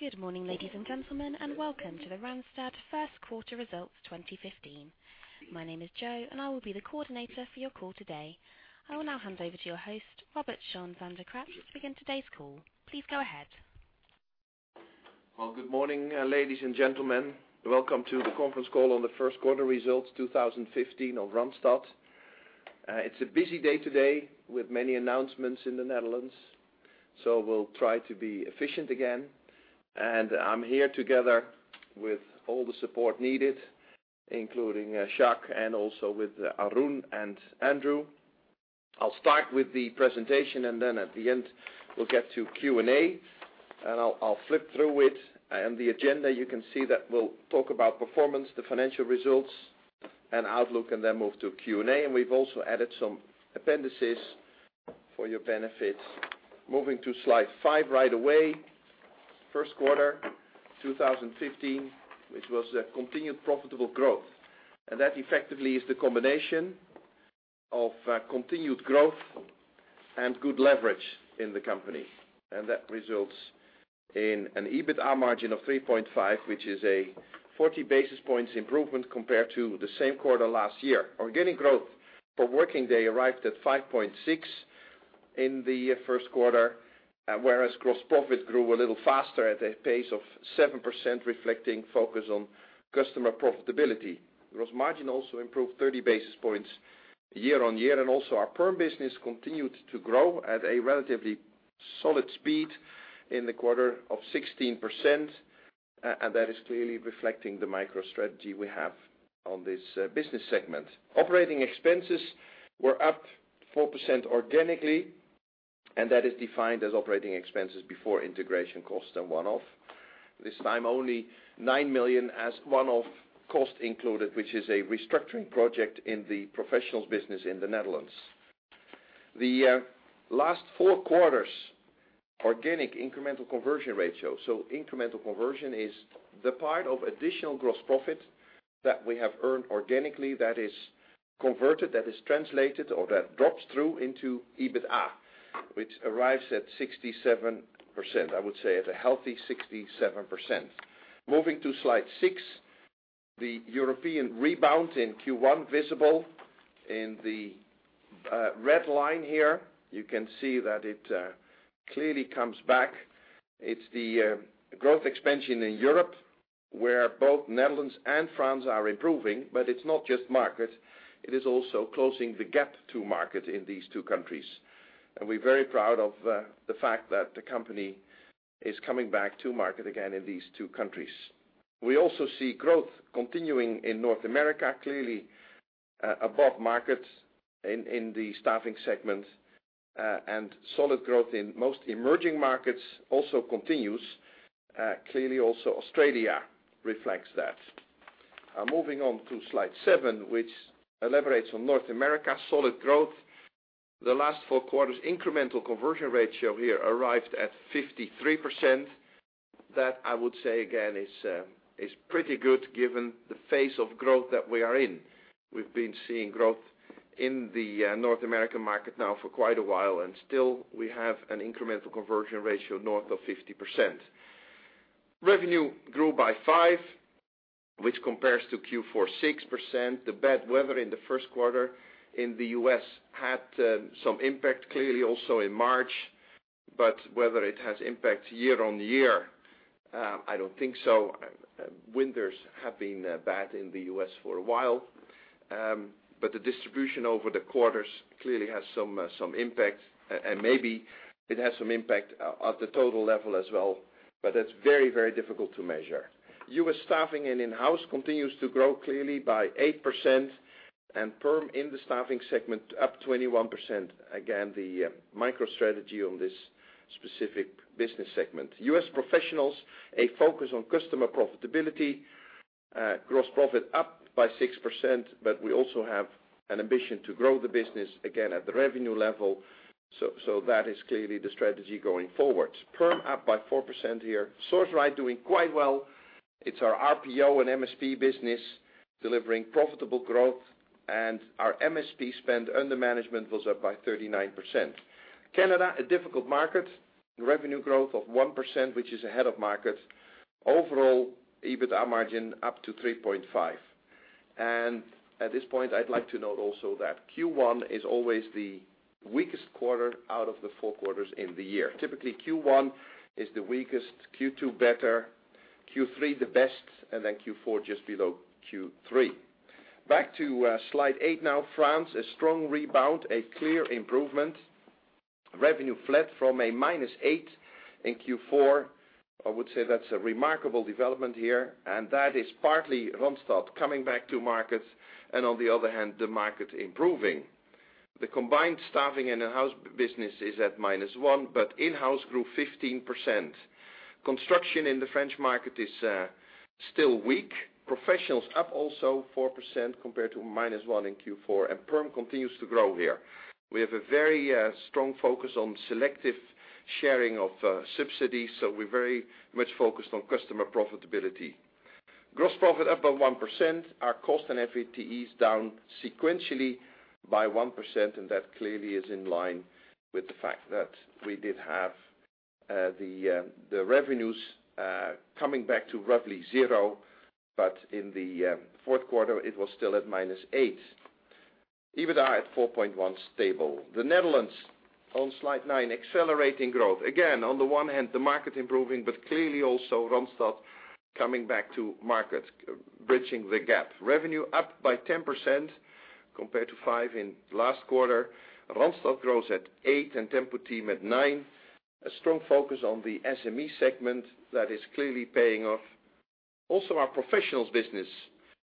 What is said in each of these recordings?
Good morning, ladies and gentlemen, and welcome to the Randstad First Quarter Results 2015. My name is Joe and I will be the Coordinator for your call today. I will now hand over to your host, Robert-Jan van de Kraats, to begin today's call. Please go ahead. Well, good morning, ladies and gentlemen. Welcome to the conference call on the first quarter results 2015 of Randstad. It's a busy day today with many announcements in the Netherlands, we'll try to be efficient again. I'm here together with all the support needed, including Jac and also with Arun and Andrew. I'll start with the presentation, then at the end, we'll get to Q&A. I'll flip through it. The agenda, you can see that we'll talk about performance, the financial results and outlook, then move to Q&A. We've also added some appendices for your benefit. Moving to slide five right away. First quarter 2015, which was a continued profitable growth. That effectively is the combination of continued growth and good leverage in the company. That results in an EBITDA margin of 3.5, which is a 40 basis points improvement compared to the same quarter last year. Organic growth for working day arrived at 5.6 in the first quarter, whereas gross profit grew a little faster at a pace of 7%, reflecting focus on customer profitability. Gross margin also improved 30 basis points year-on-year, our perm business continued to grow at a relatively solid speed in the quarter of 16%, that is clearly reflecting the micro-strategy we have on this business segment. Operating expenses were up 4% organically, that is defined as operating expenses before integration costs and one-off. This time, only 9 million as one-off cost included, which is a restructuring project in the professionals business in the Netherlands. The last four quarters organic incremental conversion ratio. Incremental conversion is the part of additional gross profit that we have earned organically that is converted, that is translated, or that drops through into EBITDA, which arrives at 67%. I would say at a healthy 67%. Moving to slide six, the European rebound in Q1 visible in the red line here. You can see that it clearly comes back. It's the growth expansion in Europe where both Netherlands and France are improving. It's not just market, it is also closing the gap to market in these two countries. We're very proud of the fact that the company is coming back to market again in these two countries. We also see growth continuing in North America, clearly above market in the staffing segment, solid growth in most emerging markets also continues. Clearly also Australia reflects that. Moving on to slide seven, which elaborates on North America solid growth. The last four quarters incremental conversion ratio here arrived at 53%. That, I would say again, is pretty good given the phase of growth that we are in. We've been seeing growth in the North American market now for quite a while, and still we have an incremental conversion ratio north of 50%. Revenue grew by 5%, which compares to Q4 6%. The bad weather in the first quarter in the U.S. had some impact, clearly also in March. But whether it has impact year-on-year, I don't think so. Winters have been bad in the U.S. for a while. But the distribution over the quarters clearly has some impact, and maybe it has some impact at the total level as well, but that's very difficult to measure. U.S. staffing and in-house continues to grow clearly by 8%, and perm in the staffing segment up 21%. Again, the micro-strategy on this specific business segment. U.S. professionals, a focus on customer profitability. Gross profit up by 6%, but we also have an ambition to grow the business again at the revenue level. That is clearly the strategy going forward. Perm up by 4% here. Sourceright doing quite well. It's our RPO and MSP business delivering profitable growth. And our MSP Spend Under Management was up by 39%. Canada, a difficult market. Revenue growth of 1%, which is ahead of market. Overall, EBITDA margin up to 3.5%. And at this point, I'd like to note also that Q1 is always the weakest quarter out of the four quarters in the year. Typically, Q1 is the weakest, Q2 better, Q3 the best, and then Q4 just below Q3. Back to slide eight now. France, a strong rebound, a clear improvement. Revenue flat from a -8% in Q4. I would say that's a remarkable development here, and that is partly Randstad coming back to market and on the other hand, the market improving. The combined staffing and in-house business is at -1%, but in-house grew 15%. Construction in the French market is still weak. Professionals up also 4% compared to -1% in Q4, and perm continues to grow here. We have a very strong focus on selective sharing of subsidies, so we're very much focused on customer profitability. Gross profit up by 1%. Our cost and FTEs down sequentially by 1%, and that clearly is in line with the fact that we did have the revenues coming back to roughly zero, but in the fourth quarter it was still at -8%. EBITDA at 4.1%, stable. The Netherlands on slide nine, accelerating growth. Again, on the one hand, the market improving, but clearly also Randstad coming back to market, bridging the gap. Revenue up by 10% compared to 5% in last quarter. Randstad grows at 8% and Tempo-Team at 9%. A strong focus on the SME segment that is clearly paying off. Also our professionals business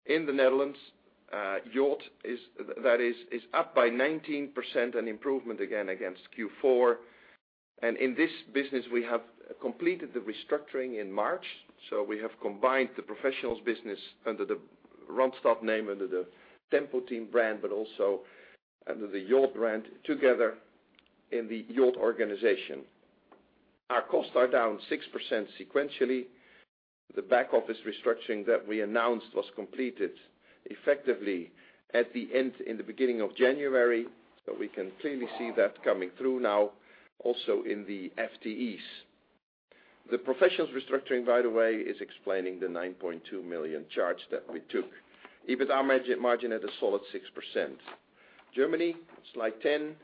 in the Netherlands, Yacht, is up by 19%, an improvement again against Q4. And in this business, we have completed the restructuring in March. So we have combined the professionals business under the Randstad name, under the Tempo-Team brand, but also under the Yacht brand together in the Yacht organization. Our costs are down 6% sequentially. The back office restructuring that we announced was completed effectively at the end, in the beginning of January. So we can clearly see that coming through now, also in the FTEs. The professionals restructuring, by the way, is explaining the 9.2 million charge that we took. EBITDA margin at a solid 6%. Germany, slide 10,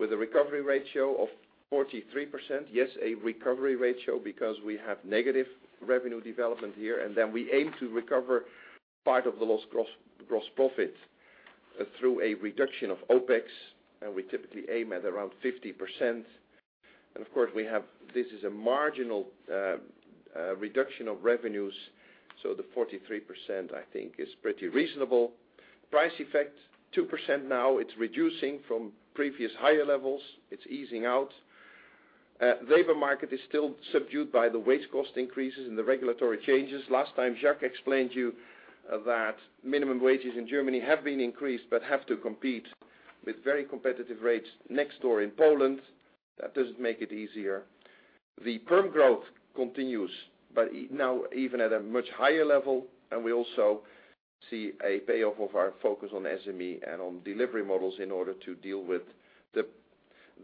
with a recovery ratio of 43%. Yes, a recovery ratio because we have negative revenue development here, then we aim to recover part of the lost gross profit through a reduction of OPEX, and we typically aim at around 50%. Of course this is a marginal reduction of revenues, so the 43%, I think, is pretty reasonable. Price effect 2% now. It's reducing from previous higher levels. It's easing out. Labor market is still subdued by the wage cost increases and the regulatory changes. Last time Jacques explained to you that minimum wages in Germany have been increased but have to compete with very competitive rates next door in Poland. That doesn't make it easier. The perm growth continues, but now even at a much higher level, and we also see a payoff of our focus on SME and on delivery models in order to deal with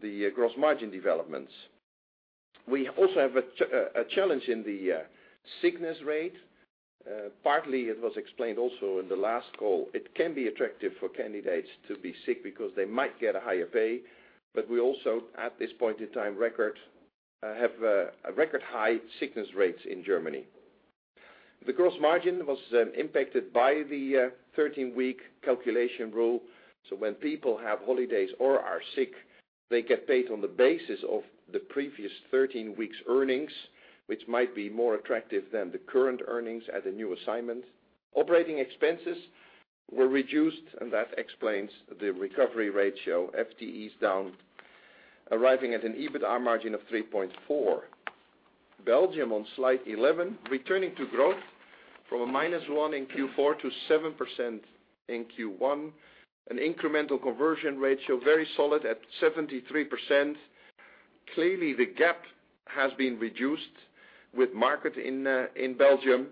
the gross margin developments. We also have a challenge in the sickness rate. Partly it was explained also in the last call. It can be attractive for candidates to be sick because they might get a higher pay. We also, at this point in time, have record high sickness rates in Germany. The gross margin was impacted by the 13-week calculation rule. When people have holidays or are sick, they get paid on the basis of the previous 13 weeks' earnings, which might be more attractive than the current earnings at a new assignment. Operating expenses were reduced and that explains the recovery ratio, FTEs down, arriving at an EBITDA margin of 3.4%. Belgium on slide 11, returning to growth from a -1% in Q4 to 7% in Q1. An incremental conversion ratio, very solid at 73%. Clearly, the gap has been reduced with market in Belgium,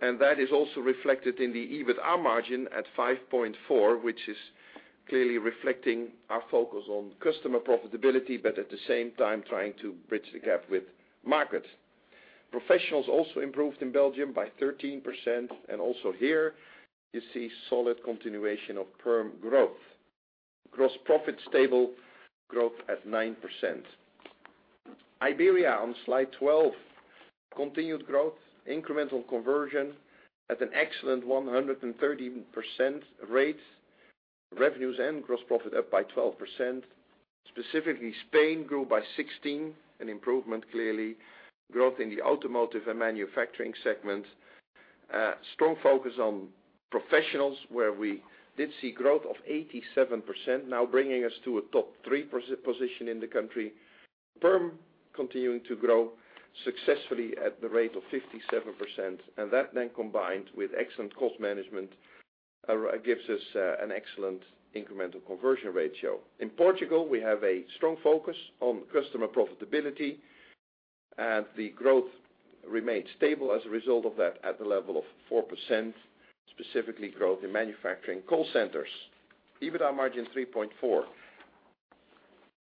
and that is also reflected in the EBITDA margin at 5.4%, which is clearly reflecting our focus on customer profitability, but at the same time trying to bridge the gap with market. Professionals also improved in Belgium by 13%, and also here you see solid continuation of perm growth. Gross profit stable growth at 9%. Iberia on slide 12, continued growth, incremental conversion at an excellent 113% rate. Revenues and gross profit up by 12%. Specifically Spain grew by 16%, an improvement clearly. Growth in the automotive and manufacturing segment. Strong focus on professionals, where we did see growth of 87%, now bringing us to a top 3 position in the country. Perm continuing to grow successfully at the rate of 57%, and that then combined with excellent cost management gives us an excellent incremental conversion ratio. In Portugal, we have a strong focus on customer profitability, and the growth remains stable as a result of that at the level of 4%, specifically growth in manufacturing call centers. EBITDA margin 3.4%.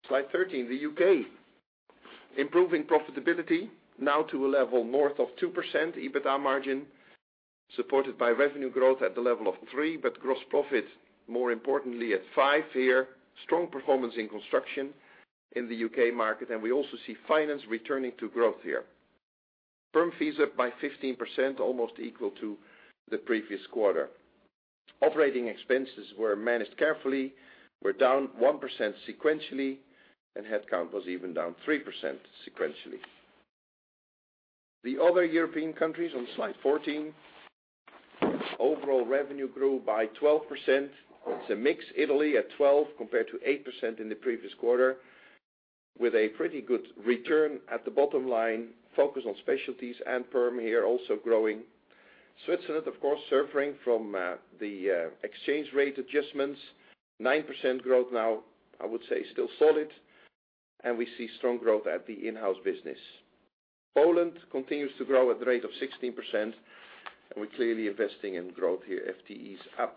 Slide 13, the U.K. Improving profitability now to a level north of 2% EBITDA margin, supported by revenue growth at the level of 3%, but gross profit, more importantly at 5% here. Strong performance in construction in the U.K. market, and we also see finance returning to growth here. Perm fees up by 15%, almost equal to the previous quarter. Operating expenses were managed carefully. We're down 1% sequentially, and headcount was even down 3% sequentially. The other European countries on slide 14. Overall revenue grew by 12%. It's a mix. Italy at 12% compared to 8% in the previous quarter, with a pretty good return at the bottom line. Focus on specialties and perm here also growing. Switzerland, of course, suffering from the exchange rate adjustments. 9% growth now. I would say still solid. We see strong growth at the in-house business. Poland continues to grow at a rate of 16%, and we're clearly investing in growth here, FTE is up.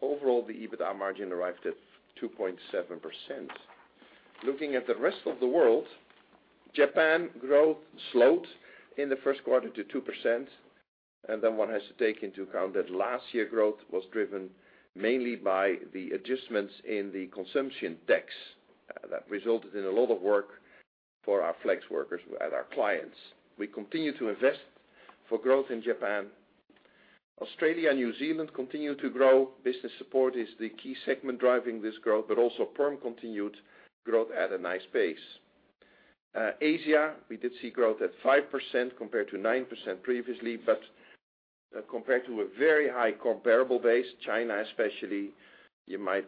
Overall, the EBITDA margin arrived at 2.7%. Looking at the rest of the world, Japan growth slowed in the first quarter to 2%, and then one has to take into account that last year growth was driven mainly by the adjustments in the consumption tax. That resulted in a lot of work for our flex workers at our clients. We continue to invest for growth in Japan. Australia and New Zealand continue to grow. Business support is the key segment driving this growth, but also perm continued growth at a nice pace. Asia, we did see growth at 5% compared to 9% previously, but compared to a very high comparable base, China especially, you might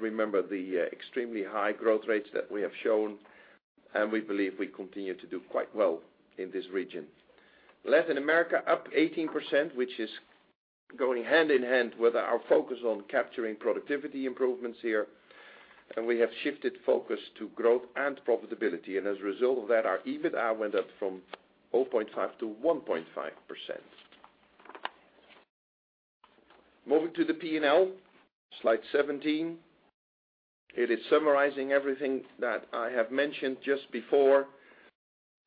remember the extremely high growth rates that we have shown, and we believe we continue to do quite well in this region. Latin America up 18%, which is going hand-in-hand with our focus on capturing productivity improvements here, and we have shifted focus to growth and profitability. As a result of that, our EBITDA went up from 0.5% to 1.5%. Moving to the P&L, slide 17. It is summarizing everything that I have mentioned just before.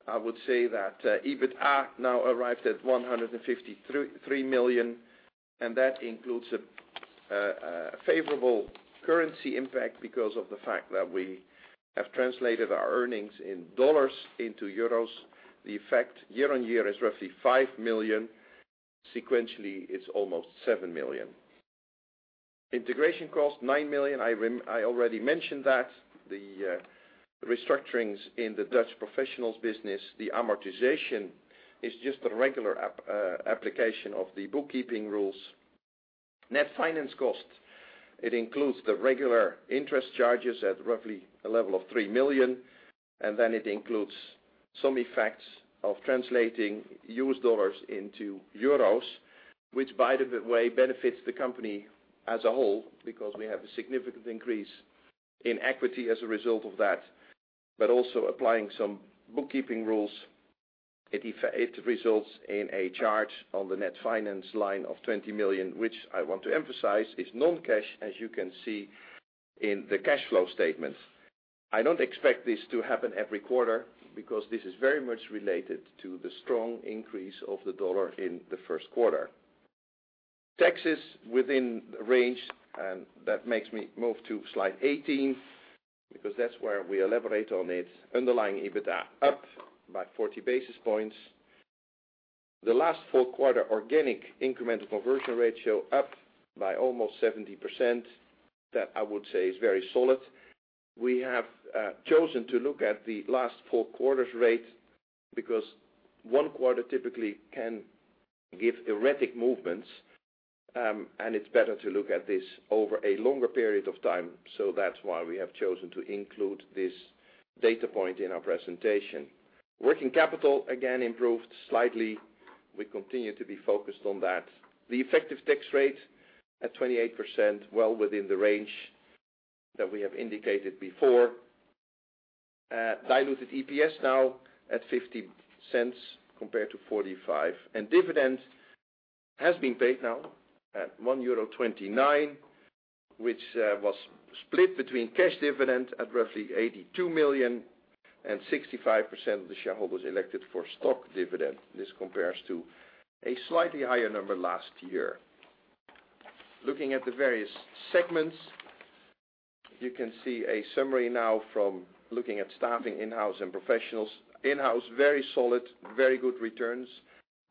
I would say that EBITDA now arrives at 153 million, and that includes a favorable currency impact because of the fact that we have translated our earnings in dollars into euros. The effect year-on-year is roughly 5 million. Sequentially, it's almost 7 million. Integration cost, 9 million. I already mentioned that. The restructurings in the Dutch professionals business, the amortization is just a regular application of the bookkeeping rules. Net finance cost. It includes the regular interest charges at roughly a level of 3 million, and then it includes some effects of translating U.S. dollars into euros, which, by the way, benefits the company as a whole because we have a significant increase in equity as a result of that. Also applying some bookkeeping rules, it results in a charge on the net finance line of 20 million, which I want to emphasize is non-cash, as you can see in the cash flow statement. I don't expect this to happen every quarter because this is very much related to the strong increase of the dollar in the first quarter. Taxes within range, that makes me move to slide 18 because that's where we elaborate on it. Underlying EBITDA up by 40 basis points. The last four quarter organic incremental conversion ratio up by almost 70%. That, I would say, is very solid. We have chosen to look at the last four quarters rate because one quarter typically can give erratic movements, and it's better to look at this over a longer period of time. That's why we have chosen to include this data point in our presentation. Working capital again improved slightly. We continue to be focused on that. The effective tax rate at 28%, well within the range that we have indicated before. Diluted EPS now at 0.50 compared to 0.45. Dividend has been paid now at 1.29 euro, which was split between cash dividend at roughly 82 million and 65% of the shareholders elected for stock dividend. This compares to a slightly higher number last year. Looking at the various segments, you can see a summary now from looking at staffing, in-house, and professionals. In-house, very solid, very good returns.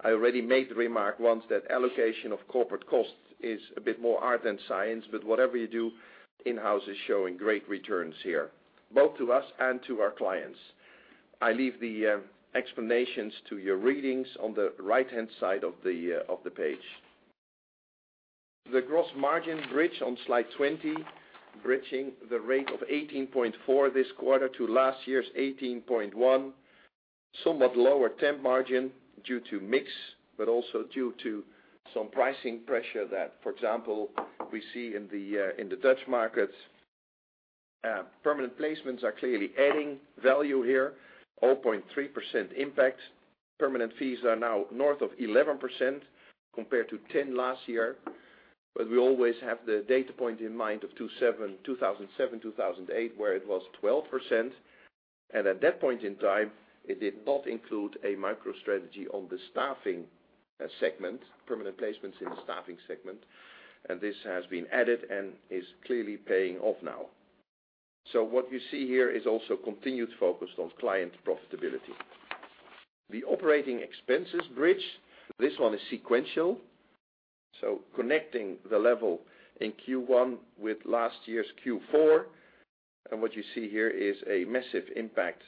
I already made the remark once that allocation of corporate costs is a bit more art than science, but whatever you do, in-house is showing great returns here, both to us and to our clients. I leave the explanations to your readings on the right-hand side of the page. The gross margin bridge on slide 20, bridging the rate of 18.4% this quarter to last year's 18.1%. Somewhat lower temp margin due to mix, but also due to some pricing pressure that, for example, we see in the Dutch markets. Permanent placements are clearly adding value here, 0.3% impact. Permanent fees are now north of 11% compared to 10% last year. We always have the data point in mind of 2007, 2008, where it was 12%. At that point in time, it did not include a micro strategy on the staffing segment, permanent placements in the staffing segment. This has been added and is clearly paying off now. What you see here is also continued focus on client profitability. The operating expenses bridge. This one is sequential, so connecting the level in Q1 with last year's Q4. What you see here is a massive impact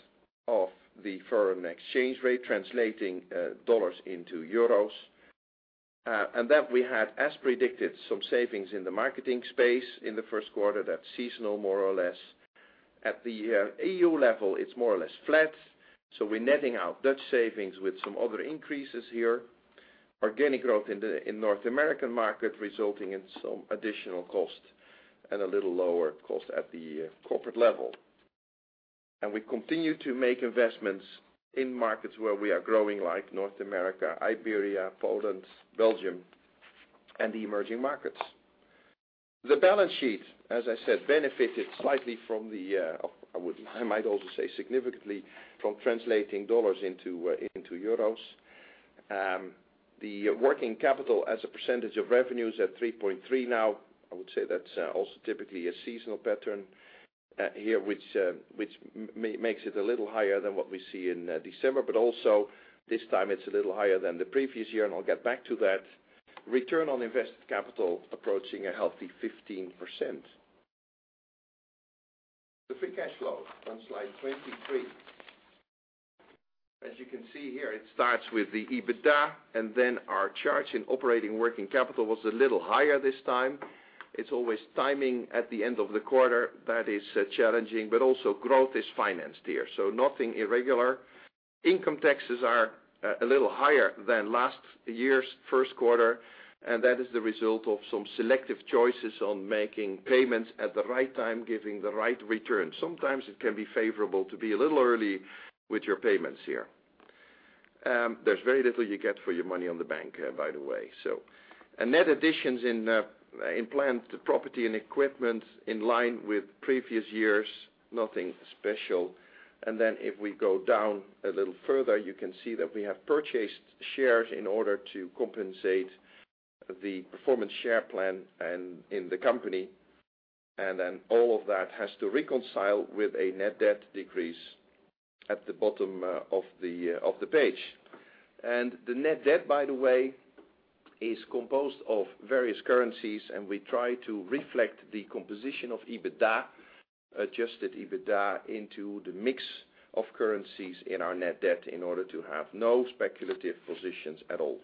of the foreign exchange rate translating U.S. dollars into euros. Then we had, as predicted, some savings in the marketing space in the first quarter. That's seasonal, more or less. At the E.U. level, it's more or less flat. We're netting out Dutch savings with some other increases here Organic growth in North American market resulting in some additional cost and a little lower cost at the corporate level. We continue to make investments in markets where we are growing, like North America, Iberia, Poland, Belgium, and the emerging markets. The balance sheet, as I said, benefited slightly from the, I might also say significantly, from translating U.S. dollars into euros. The working capital as a percentage of revenue is at 3.3% now. I would say that's also typically a seasonal pattern here, which makes it a little higher than what we see in December, but also this time it's a little higher than the previous year, and I'll get back to that. Return on invested capital approaching a healthy 15%. The free cash flow on slide 23. As you can see here, it starts with the EBITDA, then our charge in operating working capital was a little higher this time. It's always timing at the end of the quarter that is challenging, but also growth is financed here, so nothing irregular. Income taxes are a little higher than last year's first quarter, that is the result of some selective choices on making payments at the right time, giving the right return. Sometimes it can be favorable to be a little early with your payments here. There's very little you get for your money on the bank, by the way. A net additions in plant property and equipment in line with previous years, nothing special. Then if we go down a little further, you can see that we have purchased shares in order to compensate the performance share plan in the company. All of that has to reconcile with a net debt decrease at the bottom of the page. The net debt, by the way, is composed of various currencies, and we try to reflect the composition of EBITDA, adjusted EBITDA, into the mix of currencies in our net debt in order to have no speculative positions at all.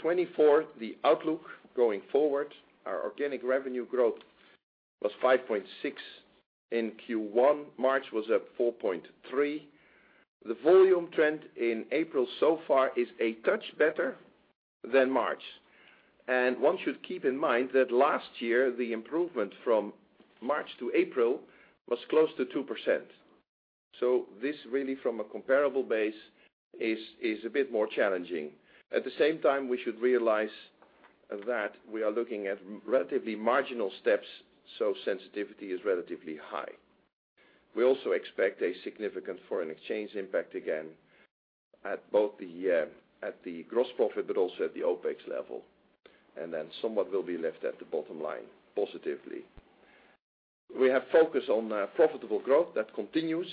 24, the outlook going forward. Our organic revenue growth was 5.6% in Q1. March was at 4.3%. The volume trend in April so far is a touch better than March. One should keep in mind that last year, the improvement from March to April was close to 2%. This really from a comparable base is a bit more challenging. At the same time, we should realize that we are looking at relatively marginal steps, so sensitivity is relatively high. We also expect a significant foreign exchange impact again at both at the gross profit, but also at the OPEX level. Somewhat will be left at the bottom line positively. We have focus on profitable growth that continues.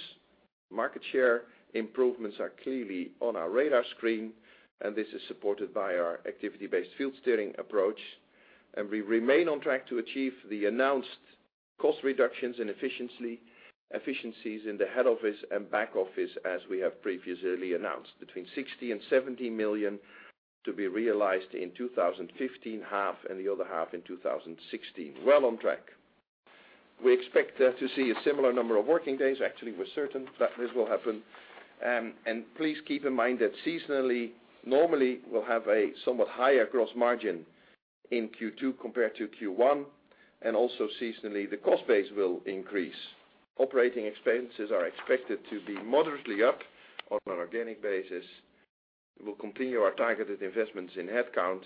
Market share improvements are clearly on our radar screen, and this is supported by our activity-based field steering approach. We remain on track to achieve the announced cost reductions and efficiencies in the head office and back office as we have previously announced, between 60 million-70 million to be realized in 2015 half and the other half in 2016. Well on track. We expect to see a similar number of working days. Actually, we're certain that this will happen. Please keep in mind that seasonally, normally, we'll have a somewhat higher gross margin in Q2 compared to Q1, and also seasonally, the cost base will increase. Operating expenses are expected to be moderately up on an organic basis. We'll continue our targeted investments in headcount,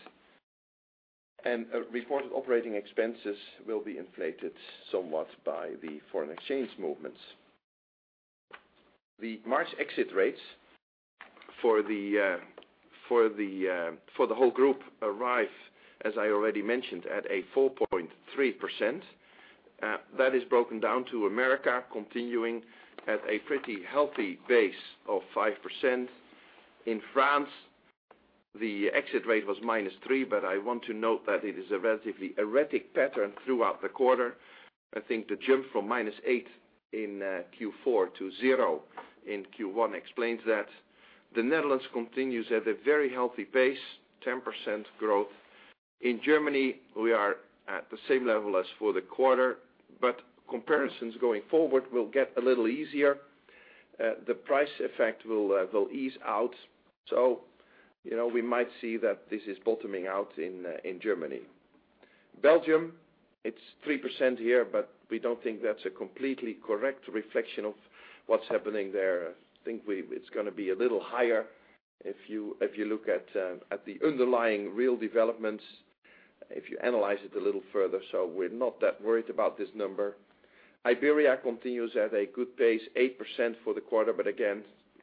and reported operating expenses will be inflated somewhat by the foreign exchange movements. The March exit rates for the whole group arrive, as I already mentioned, at a 4.3%. That is broken down to America, continuing at a pretty healthy base of 5%. In France, the exit rate was -3%, but I want to note that it is a relatively erratic pattern throughout the quarter. I think the jump from -8% in Q4 to 0% in Q1 explains that. The Netherlands continues at a very healthy pace, 10% growth. In Germany, we are at the same level as for the quarter, but comparisons going forward will get a little easier. The price effect will ease out. We might see that this is bottoming out in Germany. Belgium, it's 3% here, but we don't think that's a completely correct reflection of what's happening there. I think it's going to be a little higher if you look at the underlying real developments, if you analyze it a little further. We're not that worried about this number. Iberia continues at a good pace, 8% for the quarter. Again,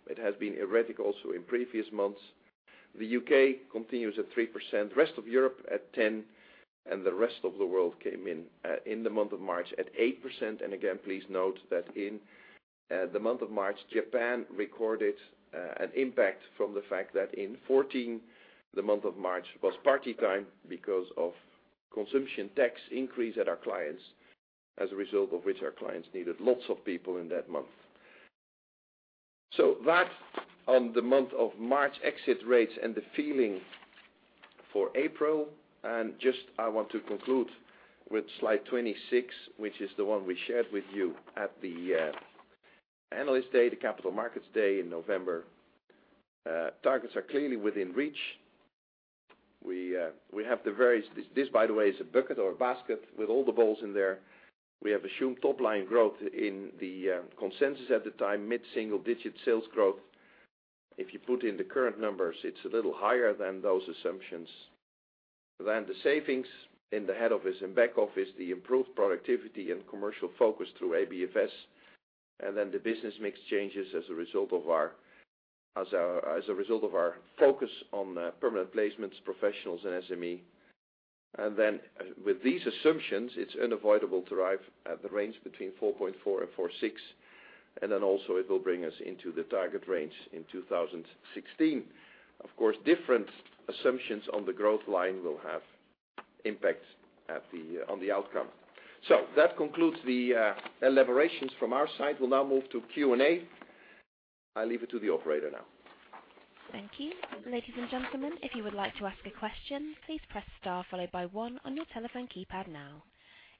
it has been erratic also in previous months. The U.K. continues at 3%, rest of Europe at 10%, and the rest of the world came in in the month of March at 8%. Again, please note that in the month of March, Japan recorded an impact from the fact that in 2014, the month of March was party time because of consumption tax increase at our clients, as a result of which our clients needed lots of people in that month. On the month of March exit rates and the feeling for April. I want to conclude with slide 26, which is the one we shared with you at the analyst day, the Capital Markets Day in November. Targets are clearly within reach. This, by the way, is a bucket or a basket with all the balls in there. We have assumed top-line growth in the consensus at the time, mid-single-digit sales growth. If you put in the current numbers, it's a little higher than those assumptions. The savings in the head office and back office, the improved productivity and commercial focus through ABFS, and the business mix changes as a result of our focus on permanent placements, professionals, and SME. With these assumptions, it's unavoidable to arrive at the range between 4.4 and 4.6, and also it will bring us into the target range in 2016. Of course, different assumptions on the growth line will have impacts on the outcome. That concludes the elaborations from our side. We'll now move to Q&A. I leave it to the operator now. Thank you. Ladies and gentlemen, if you would like to ask a question, please press star followed by 1 on your telephone keypad now.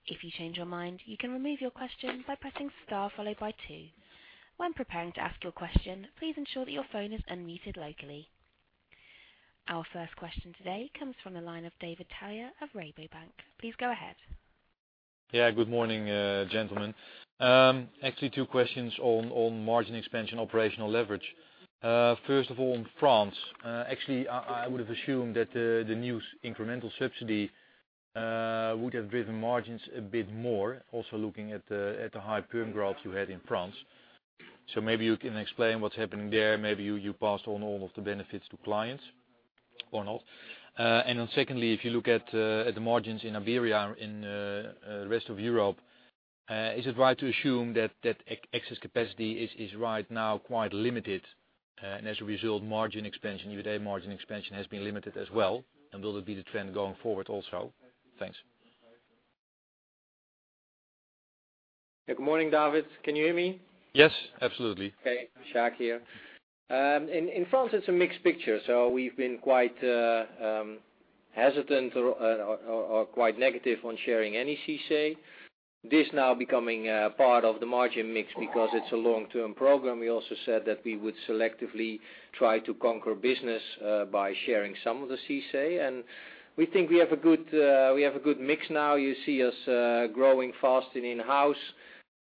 If you change your mind, you can remove your question by pressing star followed by 2. When preparing to ask your question, please ensure that your phone is unmuted locally. Our first question today comes from the line of David Tailleur of Rabobank. Please go ahead. Good morning, gentlemen. Actually, two questions on margin expansion, operational leverage. First of all, on France. Actually, I would have assumed that the new incremental subsidy would have driven margins a bit more, also looking at the high perm growth you had in France. Maybe you can explain what's happening there. Maybe you passed on all of the benefits to clients or not. Secondly, if you look at the margins in Iberia, in the rest of Europe, is it right to assume that excess capacity is right now quite limited, and as a result, margin expansion, year-to-date margin expansion has been limited as well? Will it be the trend going forward also? Thanks. Good morning, David. Can you hear me? Yes, absolutely. Okay. Jacques here. In France it's a mixed picture, so we've been quite hesitant or quite negative on sharing any CICE. This is now becoming a part of the margin mix because it's a long-term program. We also said that we would selectively try to conquer business by sharing some of the CICE, and we think we have a good mix now. You see us growing fast in in-house,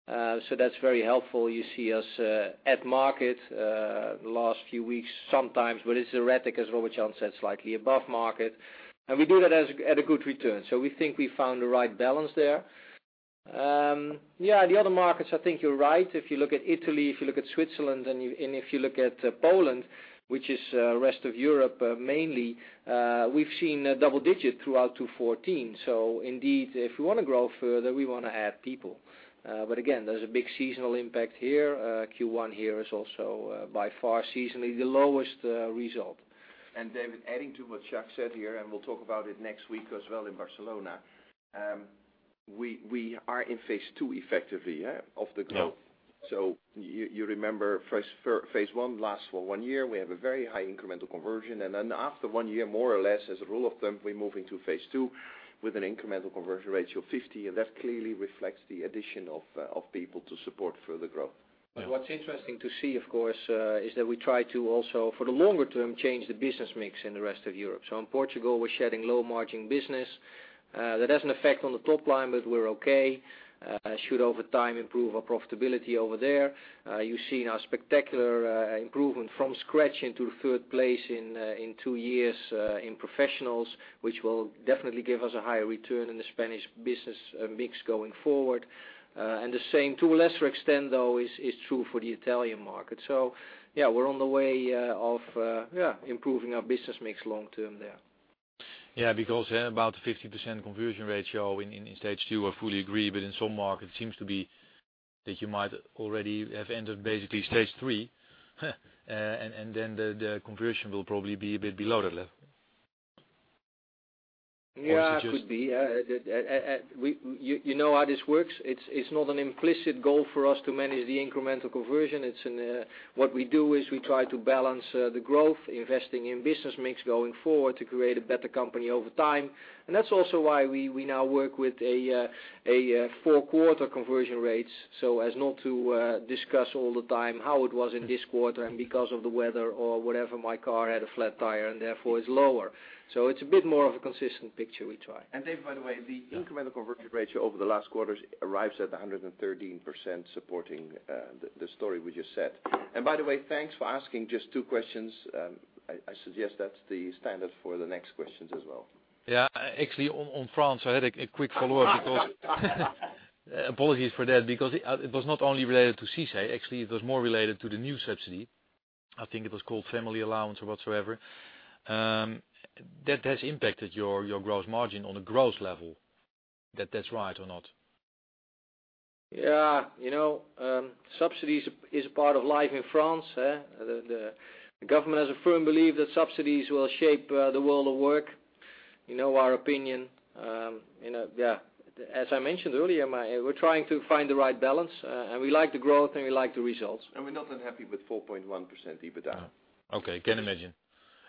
so that's very helpful. You see us at market the last few weeks sometimes, but it's erratic, as Robert-Jan said, slightly above market, and we do that at a good return. We think we found the right balance there. The other markets, I think you're right. If you look at Italy, if you look at Switzerland, and if you look at Poland, which is rest of Europe mainly, we've seen double digit throughout 2014. Indeed, if we want to grow further, we want to add people. Again, there's a big seasonal impact here. Q1 here is also by far seasonally the lowest result. David, adding to what Jacques said here, and we'll talk about it next week as well in Barcelona. We are in phase 2 effectively of the growth. Yeah. You remember phase 1 lasts for one year. We have a very high incremental conversion, then after one year, more or less as a rule of thumb, we move into phase 2 with an incremental conversion ratio of 50. That clearly reflects the addition of people to support further growth. Yeah. What's interesting to see, of course, is that we try to also, for the longer term, change the business mix in the rest of Europe. In Portugal, we're shedding low-margin business. That has an effect on the top line, but we're okay. Should over time improve our profitability over there. You've seen our spectacular improvement from scratch into third place in two years in professionals, which will definitely give us a higher return in the Spanish business mix going forward. The same, to a lesser extent, though, is true for the Italian market. Yeah, we're on the way of improving our business mix long-term there. Because about the 50% conversion ratio in stage 2, I fully agree, in some markets, it seems to be that you might already have entered basically stage 3. Then the conversion will probably be a bit below that level. Yeah, it could be. You know how this works. It's not an implicit goal for us to manage the incremental conversion. What we do is we try to balance the growth, investing in business mix going forward to create a better company over time. That's also why we now work with a four-quarter conversion rates, so as not to discuss all the time how it was in this quarter and because of the weather or whatever, my car had a flat tire and therefore it's lower. It's a bit more of a consistent picture we try. David, by the way, the incremental conversion ratio over the last quarters arrives at 113%, supporting the story we just said. By the way, thanks for asking just two questions. I suggest that's the standard for the next questions as well. Yeah. Actually, on France, I had a quick follow-up. Apologies for that, because it was not only related to CICE, actually, it was more related to the new subsidy. I think it was called family allowance or whatsoever. That has impacted your gross margin on a gross level. That's right or not? Yeah. Subsidies is a part of life in France. The government has a firm belief that subsidies will shape the world of work. You know our opinion. As I mentioned earlier, we're trying to find the right balance, and we like the growth and we like the results. We're not unhappy with 4.1% EBITDA. Okay. Can imagine.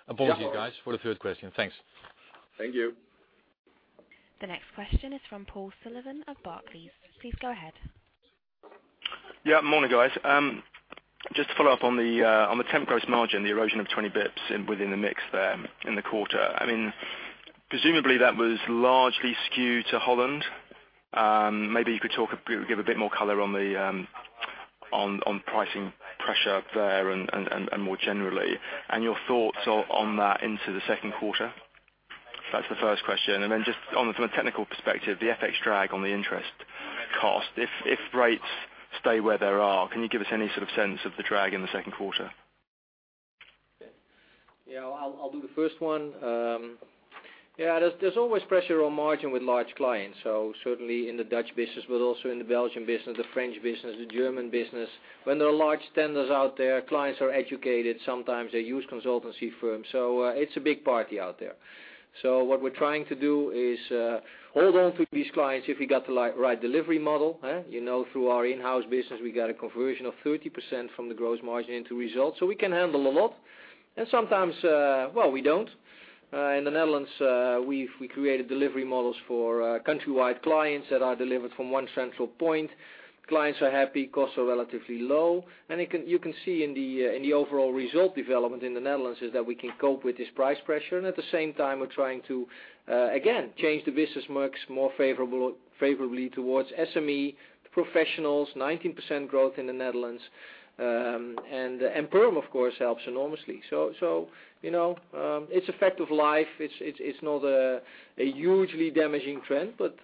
Yeah. Apologies, guys, for the third question. Thanks. Thank you. The next question is from Paul Sullivan of Barclays. Please go ahead. Morning, guys. Just to follow up on the temp gross margin, the erosion of 20 basis points within the mix there in the quarter. Presumably, that was largely skewed to Holland. Maybe you could give a bit more color on pricing pressure there and more generally, your thoughts on that into the second quarter. That's the first question. Then just from a technical perspective, the FX drag on the interest cost. If rates stay where they are, can you give us any sort of sense of the drag in the second quarter? I'll do the first one. There's always pressure on margin with large clients, certainly in the Dutch business, but also in the Belgian business, the French business, the German business. When there are large tenders out there, clients are educated. Sometimes they use consultancy firms. It's a big party out there. What we're trying to do is hold on to these clients if we got the right delivery model. Through our in-house business, we got a conversion of 30% from the gross margin into results. We can handle a lot. Sometimes, well, we don't. In the Netherlands, we created delivery models for country-wide clients that are delivered from one central point. Clients are happy, costs are relatively low. You can see in the overall result development in the Netherlands is that we can cope with this price pressure. At the same time, we're trying to, again, change the business mix more favorably towards SME professionals, 19% growth in the Netherlands. Perm, of course, helps enormously. It's a fact of life. It's not a hugely damaging trend, but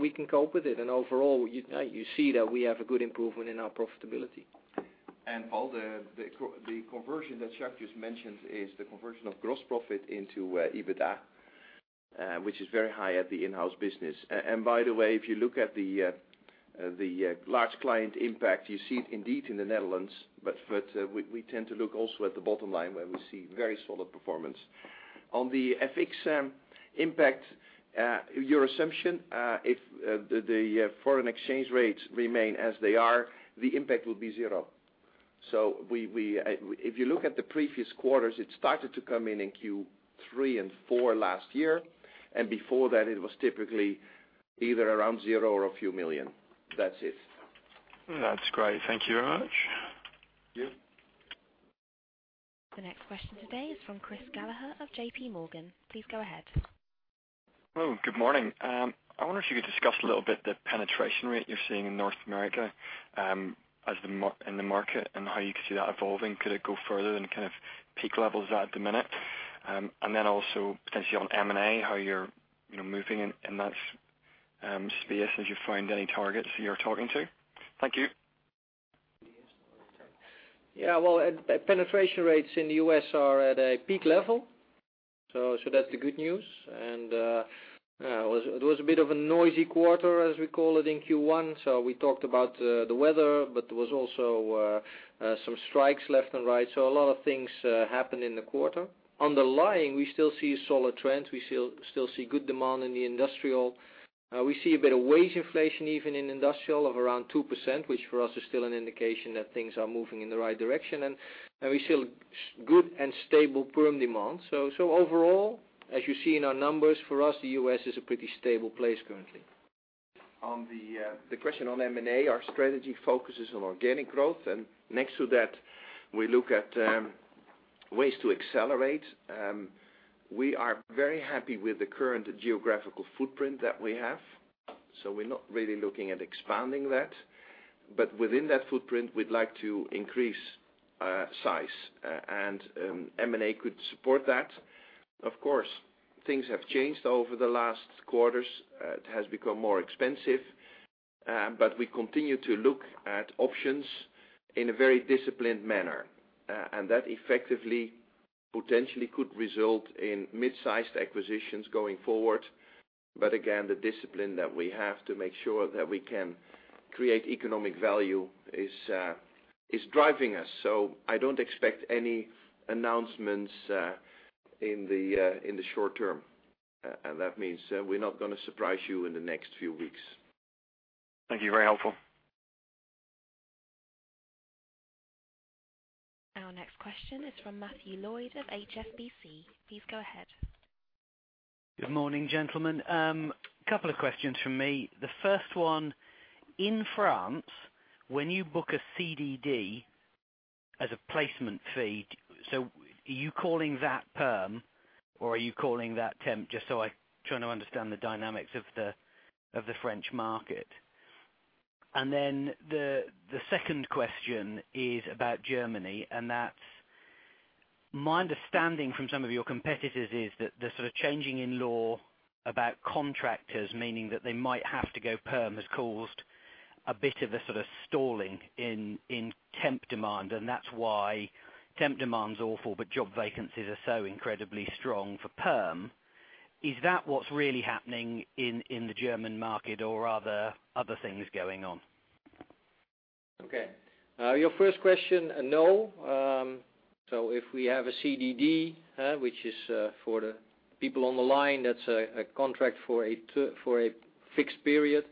we can cope with it. Overall, you see that we have a good improvement in our profitability. Paul, the conversion that Jacques just mentioned is the conversion of gross profit into EBITDA, which is very high at the in-house business. By the way, if you look at the large client impact, you see it indeed in the Netherlands, but we tend to look also at the bottom line where we see very solid performance. On the FX impact, your assumption, if the foreign exchange rates remain as they are, the impact will be zero. If you look at the previous quarters, it started to come in in Q3 and 4 last year, and before that it was typically either around zero or a few million EUR. That's it. That's great. Thank you very much. Yeah. The next question today is from Chris Gallagher of JPMorgan. Please go ahead. Hello. Good morning. I wonder if you could discuss a little bit the penetration rate you're seeing in North America in the market, and how you could see that evolving. Could it go further than peak levels at the minute? Then also potentially on M&A, how you're moving in that space as you find any targets you're talking to. Thank you. Penetration rates in the U.S. are at a peak level. That's the good news. It was a bit of a noisy quarter, as we call it in Q1. We talked about the weather, there was also some strikes left and right. A lot of things happened in the quarter. Underlying, we still see solid trends. We still see good demand in the industrial. We see a bit of wage inflation even in industrial of around 2%, which for us is still an indication that things are moving in the right direction. We see good and stable perm demand. Overall, as you see in our numbers, for us, the U.S. is a pretty stable place currently. On the question on M&A, our strategy focuses on organic growth. Next to that, we look at ways to accelerate. We are very happy with the current geographical footprint that we have. We're not really looking at expanding that. Within that footprint, we'd like to increase size, and M&A could support that. Of course, things have changed over the last quarters. It has become more expensive. We continue to look at options in a very disciplined manner. That effectively potentially could result in mid-sized acquisitions going forward. Again, the discipline that we have to make sure that we can create economic value is driving us. I don't expect any announcements in the short term. That means we're not going to surprise you in the next few weeks. Thank you. Very helpful. Our next question is from Matthew Lloyd of HSBC. Please go ahead. Good morning, gentlemen. Couple of questions from me. The first one, in France, when you book a CDD as a placement fee, are you calling that perm or are you calling that temp? Just so I try to understand the dynamics of the French market. The second question is about Germany, and that's my understanding from some of your competitors is that the sort of changing in law about contractors, meaning that they might have to go perm, has caused a bit of a sort of stalling in temp demand, and that's why temp demand's awful, but job vacancies are so incredibly strong for perm. Is that what's really happening in the German market or are there other things going on? Okay. Your first question, no. If we have a CDD, which is for the people on the line, that's a contract for a fixed period.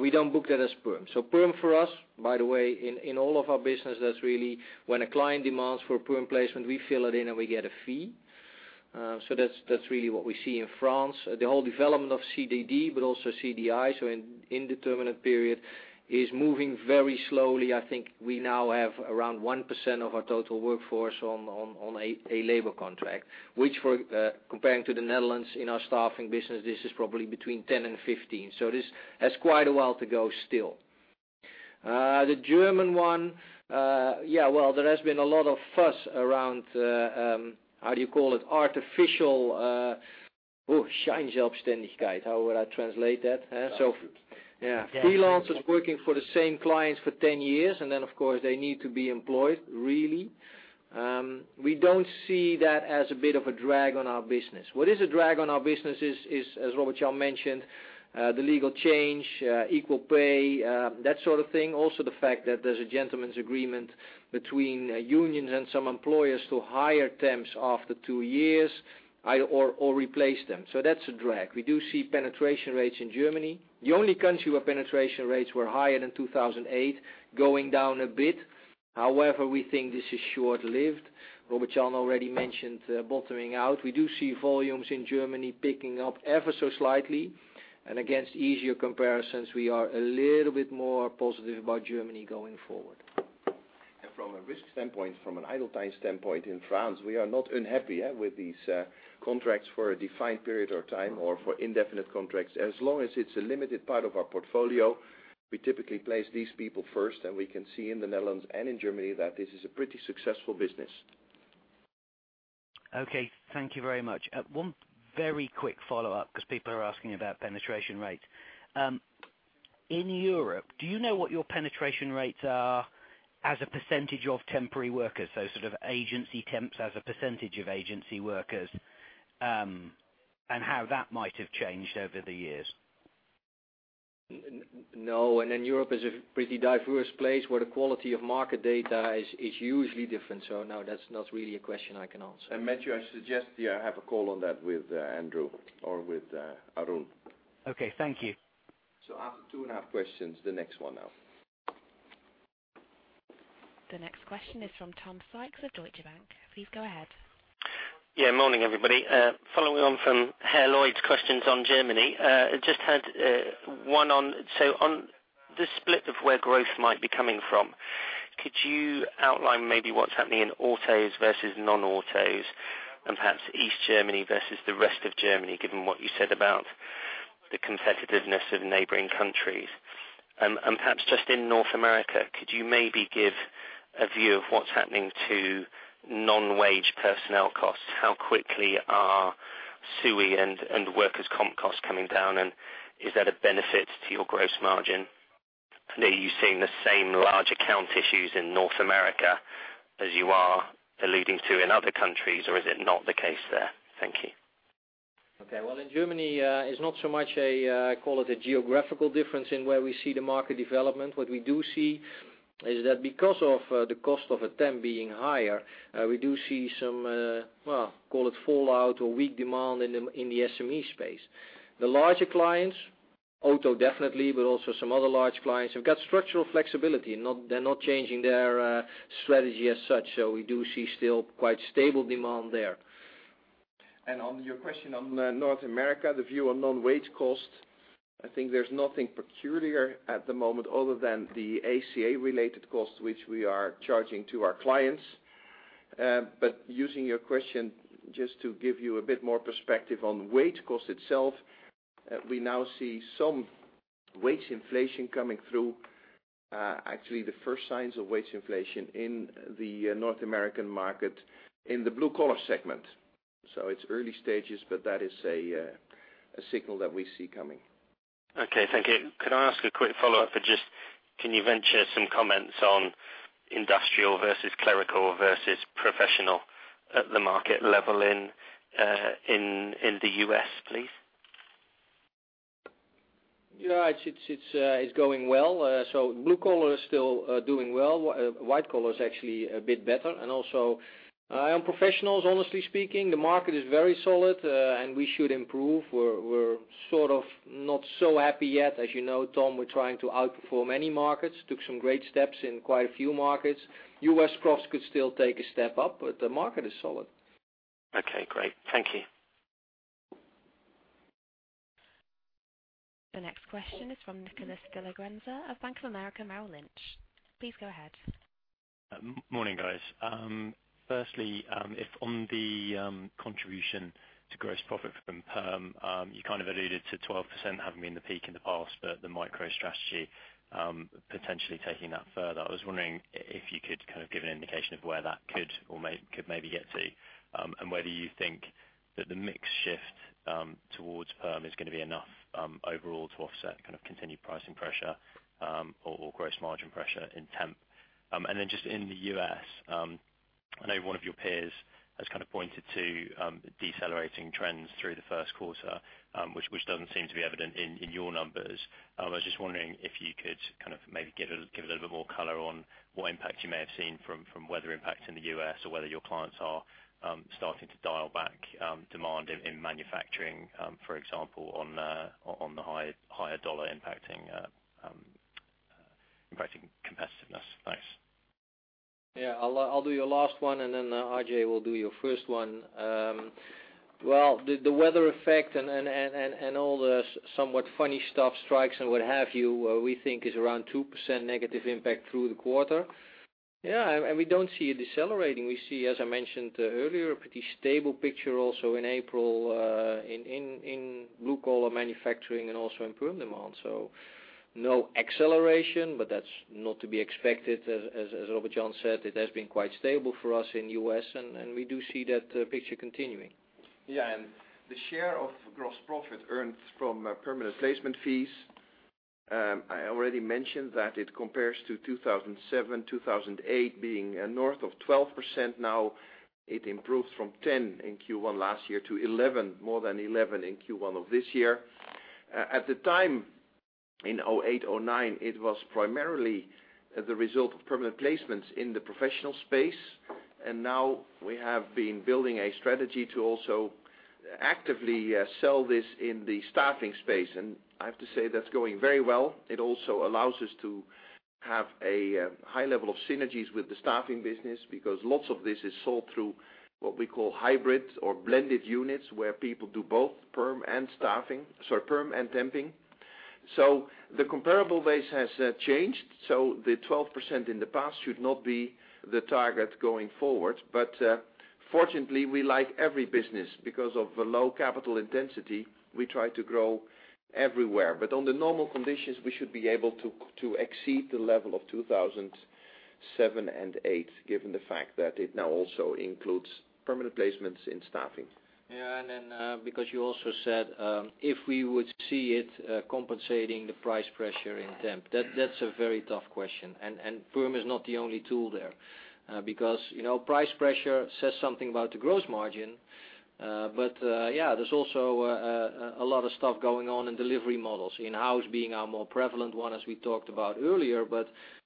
We don't book that as perm. Perm for us, by the way, in all of our business, that's really when a client demands for a perm placement, we fill it in and we get a fee. That's really what we see in France. The whole development of CDD, but also CDI, an indeterminate period, is moving very slowly. I think we now have around 1% of our total workforce on a labor contract. Which, comparing to the Netherlands in our staffing business, this is probably between 10 and 15. This has quite a while to go still. The German one, there has been a lot of fuss around, how do you call it? Artificial. How would I translate that? Self-employed. Yeah. Freelancers working for the same clients for 10 years, of course, they need to be employed, really. We don't see that as a bit of a drag on our business. What is a drag on our business is, as Robert-Jan mentioned, the legal change, equal pay, that sort of thing. Also, the fact that there's a gentleman's agreement between unions and some employers to hire temps after 2 years or replace them. That's a drag. We do see penetration rates in Germany. The only country where penetration rates were higher in 2008, going down a bit. However, we think this is short-lived. Robert-Jan already mentioned bottoming out. We do see volumes in Germany picking up ever so slightly, and against easier comparisons, we are a little bit more positive about Germany going forward. From a risk standpoint, from an idle time standpoint in France, we are not unhappy with these contracts for a defined period of time or for indefinite contracts. As long as it's a limited part of our portfolio, we typically place these people first, and we can see in the Netherlands and in Germany that this is a pretty successful business. Okay, thank you very much. One very quick follow-up because people are asking about penetration rates. In Europe, do you know what your penetration rates are as a percentage of temporary workers? Sort of agency temps as a percentage of agency workers, and how that might have changed over the years? No, Europe is a pretty diverse place where the quality of market data is hugely different. No, that's not really a question I can answer. Matthew, I suggest you have a call on that with Andrew or with Arun. Okay, thank you. After two and a half questions, the next one now. The next question is from Tom Sykes of Deutsche Bank. Please go ahead. Yeah, morning everybody. Following on from Herr Lloyd's questions on Germany, just had one on the split of where growth might be coming from. Could you outline maybe what's happening in autos versus non-autos, and perhaps East Germany versus the rest of Germany, given what you said about the competitiveness of neighboring countries? Perhaps just in North America, could you maybe give a view of what's happening to non-wage personnel costs? How quickly are SUI and workers' comp costs coming down, and is that a benefit to your gross margin? Are you seeing the same large account issues in North America as you are alluding to in other countries, or is it not the case there? Thank you. Okay. Well, in Germany, it's not so much a, call it a geographical difference in where we see the market development. What we do see is that because of the cost of a temp being higher, we do see some, call it fallout or weak demand in the SME space. The larger clients, auto definitely, but also some other large clients, have got structural flexibility. They're not changing their strategy as such. We do see still quite stable demand there. On your question on North America, the view on non-wage costs, I think there's nothing peculiar at the moment other than the ACA-related costs, which we are charging to our clients. Using your question, just to give you a bit more perspective on wage cost itself, we now see some wage inflation coming through. Actually, the first signs of wage inflation in the North American market in the blue-collar segment. It's early stages, but that is a signal that we see coming. Okay, thank you. Could I ask a quick follow-up for just, can you venture some comments on industrial versus clerical versus professional at the market level in the U.S., please? Yeah. It's going well. Blue collar is still doing well. White collar is actually a bit better. Also on professionals, honestly speaking, the market is very solid, and we should improve. We're sort of not so happy yet. As you know, Tom, we're trying to outperform any markets. Took some great steps in quite a few markets. U.S. profs could still take a step up, but the market is solid. Okay, great. Thank you. The next question is from Nicholas de la Grense of Bank of America Merrill Lynch. Please go ahead. Morning, guys. Firstly, if on the contribution to gross profit from perm, you kind of alluded to 12% having been the peak in the past, but the micro strategy potentially taking that further. I was wondering if you could kind of give an indication of where that could maybe get to, and whether you think that the mix shift towards perm is going to be enough overall to offset continued pricing pressure or gross margin pressure in temp. Just in the U.S. I know one of your peers has pointed to decelerating trends through the first quarter, which doesn't seem to be evident in your numbers. I was just wondering if you could maybe give a little bit more color on what impact you may have seen from weather impact in the U.S., or whether your clients are starting to dial back demand in manufacturing, for example, on the higher dollar impacting competitiveness. Thanks. Yeah, I'll do your last one, RJ will do your first one. Well, the weather effect and all the somewhat funny stuff, strikes and what have you, we think is around 2% negative impact through the quarter. Yeah, we don't see it decelerating. We see, as I mentioned earlier, a pretty stable picture also in April, in blue-collar manufacturing and also in perm demand. No acceleration, that's not to be expected. As Robert-Jan said, it has been quite stable for us in U.S., we do see that picture continuing. The share of gross profit earned from permanent placement fees, I already mentioned that it compares to 2007, 2008 being north of 12%. It improved from 10% in Q1 last year to more than 11% in Q1 of this year. At the time, in 2008, 2009, it was primarily the result of permanent placements in the professional space. Now we have been building a strategy to also actively sell this in the staffing space. I have to say, that's going very well. It also allows us to have a high level of synergies with the staffing business, because lots of this is sold through what we call hybrid or blended units, where people do both perm and temping. The comparable base has changed. The 12% in the past should not be the target going forward. Fortunately, we like every business. Because of the low capital intensity, we try to grow everywhere. Under normal conditions, we should be able to exceed the level of 2007 and 2008, given the fact that it now also includes permanent placements in staffing. Because you also said if we would see it compensating the price pressure in temp. That's a very tough question. Perm is not the only tool there. Price pressure says something about the gross margin. There's also a lot of stuff going on in delivery models, in-house being our more prevalent one, as we talked about earlier.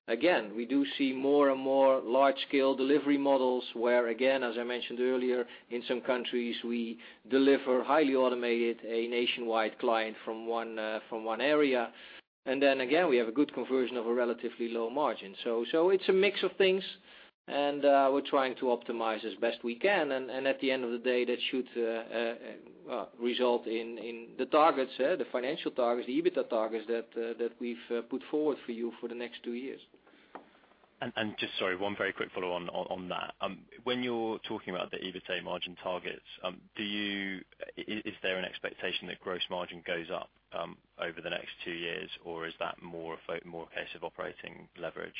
Again, we do see more and more large-scale delivery models where, again, as I mentioned earlier, in some countries, we deliver highly automated a nationwide client from one area. Then again, we have a good conversion of a relatively low margin. It's a mix of things, and we're trying to optimize as best we can. At the end of the day, that should result in the targets, the financial targets, the EBITDA targets that we've put forward for you for the next two years. Just sorry, one very quick follow-on on that. When you're talking about the EBITA margin targets, is there an expectation that gross margin goes up over the next two years, or is that more a case of operating leverage?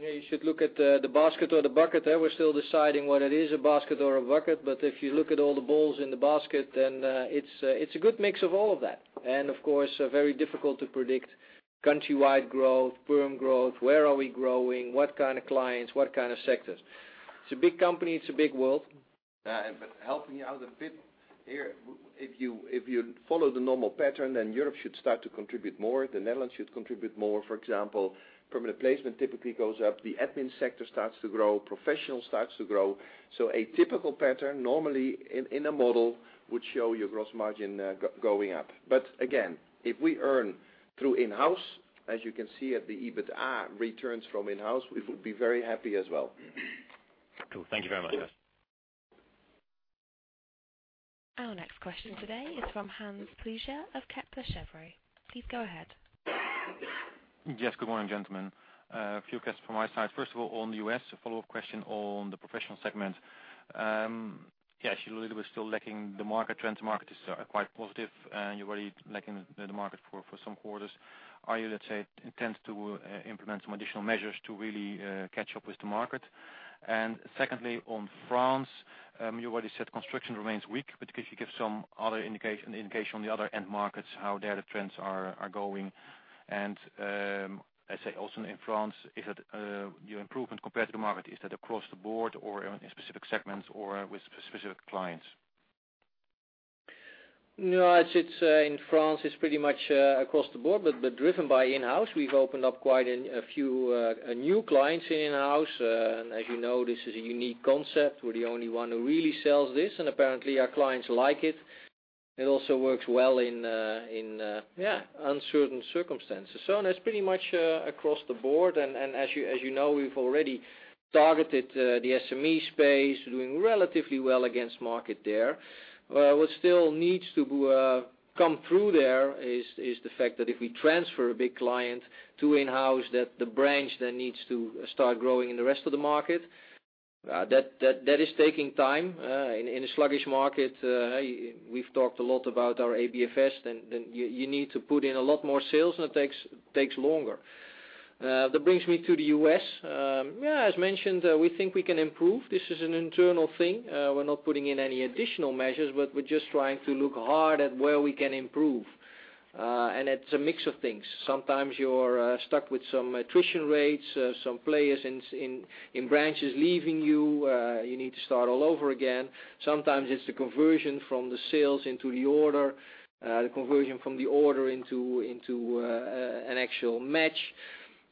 You should look at the basket or the bucket there. We're still deciding whether it is a basket or a bucket. If you look at all the balls in the basket, then it's a good mix of all of that. Of course, very difficult to predict countrywide growth, perm growth, where are we growing, what kind of clients, what kind of sectors. It's a big company, it's a big world. Helping you out a bit here. If you follow the normal pattern, Europe should start to contribute more. The Netherlands should contribute more. For example, permanent placement typically goes up, the admin sector starts to grow, professional starts to grow. A typical pattern, normally in a model, would show your gross margin going up. Again, if we earn through in-house, as you can see at the EBITA, returns from in-house, we would be very happy as well. Cool. Thank you very much, guys. Our next question today is from Hans Pluijgers of Kepler Cheuvreux. Please go ahead. Yes, good morning, gentlemen. A few questions from my side. First of all, on the U.S., a follow-up question on the professional segment. Actually, little bit still lacking the market trends. The market is quite positive, you're already lacking the market for some quarters. Are you, let's say, intend to implement some additional measures to really catch up with the market? Secondly, on France, you already said construction remains weak, could you give some other indication on the other end markets, how there the trends are going? Let's say, also in France, your improvement compared to the market, is that across the board or in specific segments or with specific clients? In France, it's pretty much across the board, driven by in-house. We've opened up quite a few new clients in in-house. As you know, this is a unique concept. We're the only one who really sells this, apparently our clients like it. It also works well in uncertain circumstances. That's pretty much across the board. As you know, we've already targeted the SME space, doing relatively well against market there. What still needs to come through there is the fact that if we transfer a big client to in-house, that the branch then needs to start growing in the rest of the market. That is taking time. In a sluggish market, we've talked a lot about our ABFS, then you need to put in a lot more sales, it takes longer. That brings me to the U.S. As mentioned, we think we can improve. This is an internal thing. We're not putting in any additional measures, we're just trying to look hard at where we can improve. It's a mix of things. Sometimes you're stuck with some attrition rates, some players in branches leaving you need to start all over again. Sometimes it's the conversion from the sales into the order, the conversion from the order into an actual match.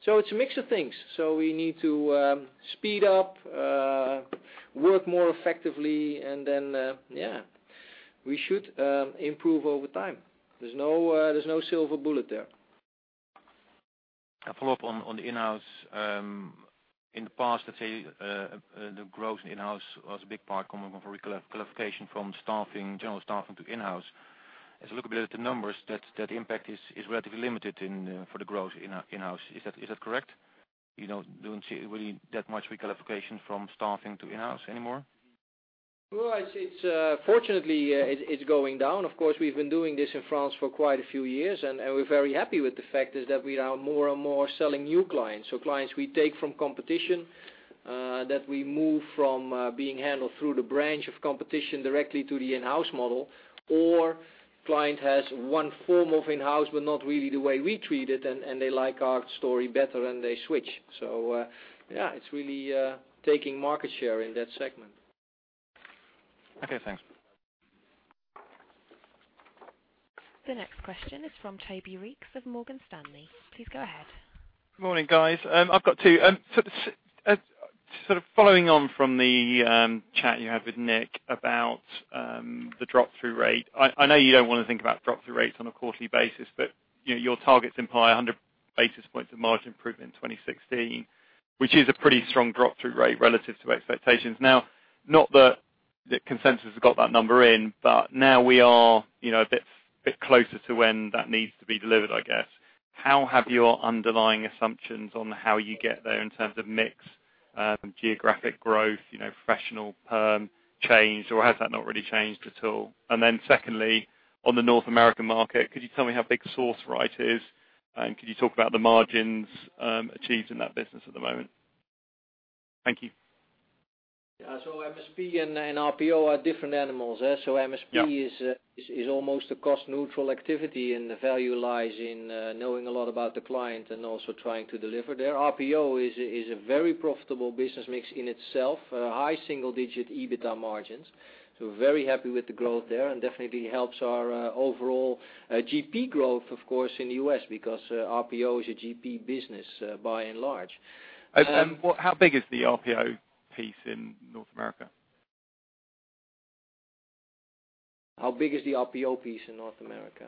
It's a mix of things. We need to speed up, work more effectively, we should improve over time. There's no silver bullet there. A follow-up on the in-house. In the past, let's say, the growth in in-house was a big part coming from re-qualification from general staffing to in-house. As I look a bit at the numbers, that impact is relatively limited for the growth in in-house. Is that correct? You don't see really that much re-qualification from staffing to in-house anymore? Well, fortunately, it's going down. Of course, we've been doing this in France for quite a few years, and we're very happy with the fact that we are more and more selling new clients. Clients we take from competition, that we move from being handled through the branch of competition directly to the in-house model, or client has one form of in-house, but not really the way we treat it, and they like our story better and they switch. It's really taking market share in that segment. Okay, thanks. The next question is from Toby Reeks of Morgan Stanley. Please go ahead. Good morning, guys. I've got two. Sort of following on from the chat you had with Nick about the drop-through rate. I know you don't want to think about drop-through rates on a quarterly basis, but your target imply 100 basis points of margin improvement in 2016, which is a pretty strong drop-through rate relative to expectations. Not that consensus has got that number in, but now we are a bit closer to when that needs to be delivered, I guess. How have your underlying assumptions on how you get there in terms of mix, geographic growth, professional perm changed, or has that not really changed at all? Secondly, on the North American market, could you tell me how big Sourceright is, and could you talk about the margins achieved in that business at the moment? Thank you. Yeah. MSP and RPO are different animals. Yeah. MSP is almost a cost-neutral activity, and the value lies in knowing a lot about the client and also trying to deliver there. RPO is a very profitable business mix in itself, high single-digit EBITDA margins. We're very happy with the growth there and definitely helps our overall GP growth, of course, in the U.S. because RPO is a GP business, by and large. How big is the RPO piece in North America? How big is the RPO piece in North America?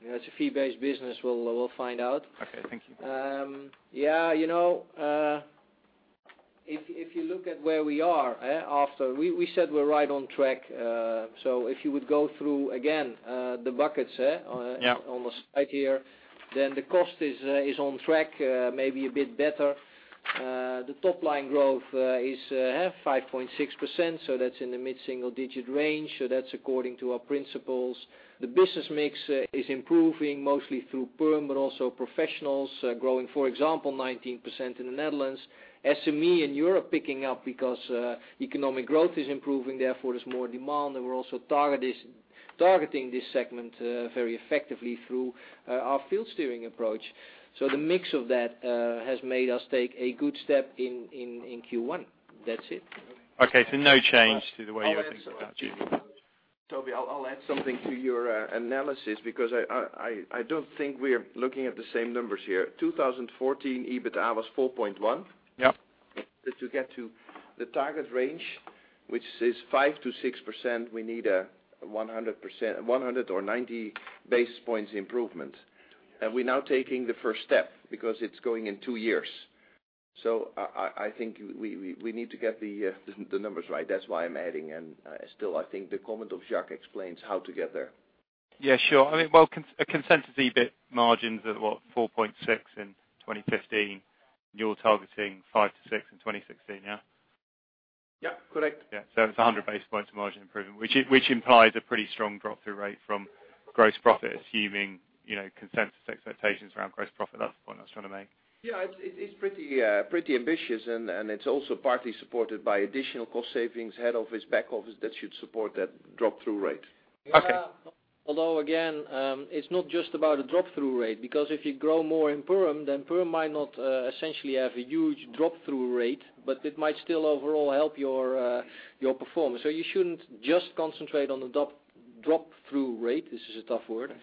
It's a fee-based business. We'll find out. Okay. Thank you. If you look at where we are after, we said we're right on track. If you would go through, again, the buckets. Yeah on the slide here, the cost is on track, maybe a bit better. The top line growth is 5.6%, so that's in the mid-single digit range. That's according to our principles. The business mix is improving mostly through perm but also professionals growing, for example, 19% in the Netherlands. SME in Europe picking up because economic growth is improving, therefore, there's more demand. We're also targeting this segment very effectively through our field steering approach. The mix of that has made us take a good step in Q1. That's it. Okay. No change to the way you are thinking about GP. Toby, I'll add something to your analysis because I don't think we're looking at the same numbers here. 2014, EBITDA was 4.1%. Yep. To get to the target range, which is 5%-6%, we need a 100 or 90 basis points improvement. We're now taking the first step because it's going in two years. I think we need to get the numbers right. That's why I'm adding. Still, I think the comment of Jacques explains how to get there. Yeah, sure. Well, a consensus EBIT margins of what? 4.6% in 2015. You're targeting 5%-6% in 2016, yeah? Yeah, correct. Yeah. It's 100 basis points margin improvement, which implies a pretty strong drop-through rate from gross profit, assuming consensus expectations around gross profit. That's the point I was trying to make. Yeah. It's pretty ambitious, it's also partly supported by additional cost savings, head office, back office, that should support that drop-through rate. Okay. Again, it's not just about a drop-through rate, because if you grow more in perm might not essentially have a huge drop-through rate, it might still overall help your performance. You shouldn't just concentrate on the drop-through rate. This is a tough word.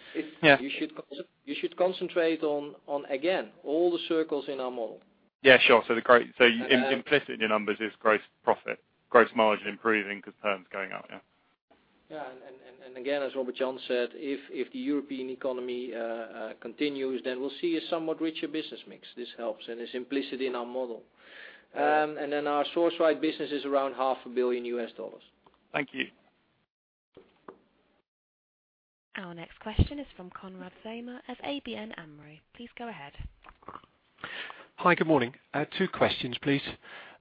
Yeah. You should concentrate on, again, all the circles in our model. Yeah, sure. Implicit in your numbers is gross profit, gross margin improving because perm's going up, yeah. Yeah. Again, as Robert-Jan said, if the European economy continues, then we'll see a somewhat richer business mix. This helps, and it's implicit in our model. Then our Sourceright business is around half a billion U.S. dollars. Thank you. Our next question is from Konrad Zomer of ABN AMRO. Please go ahead. Hi, good morning. Two questions, please.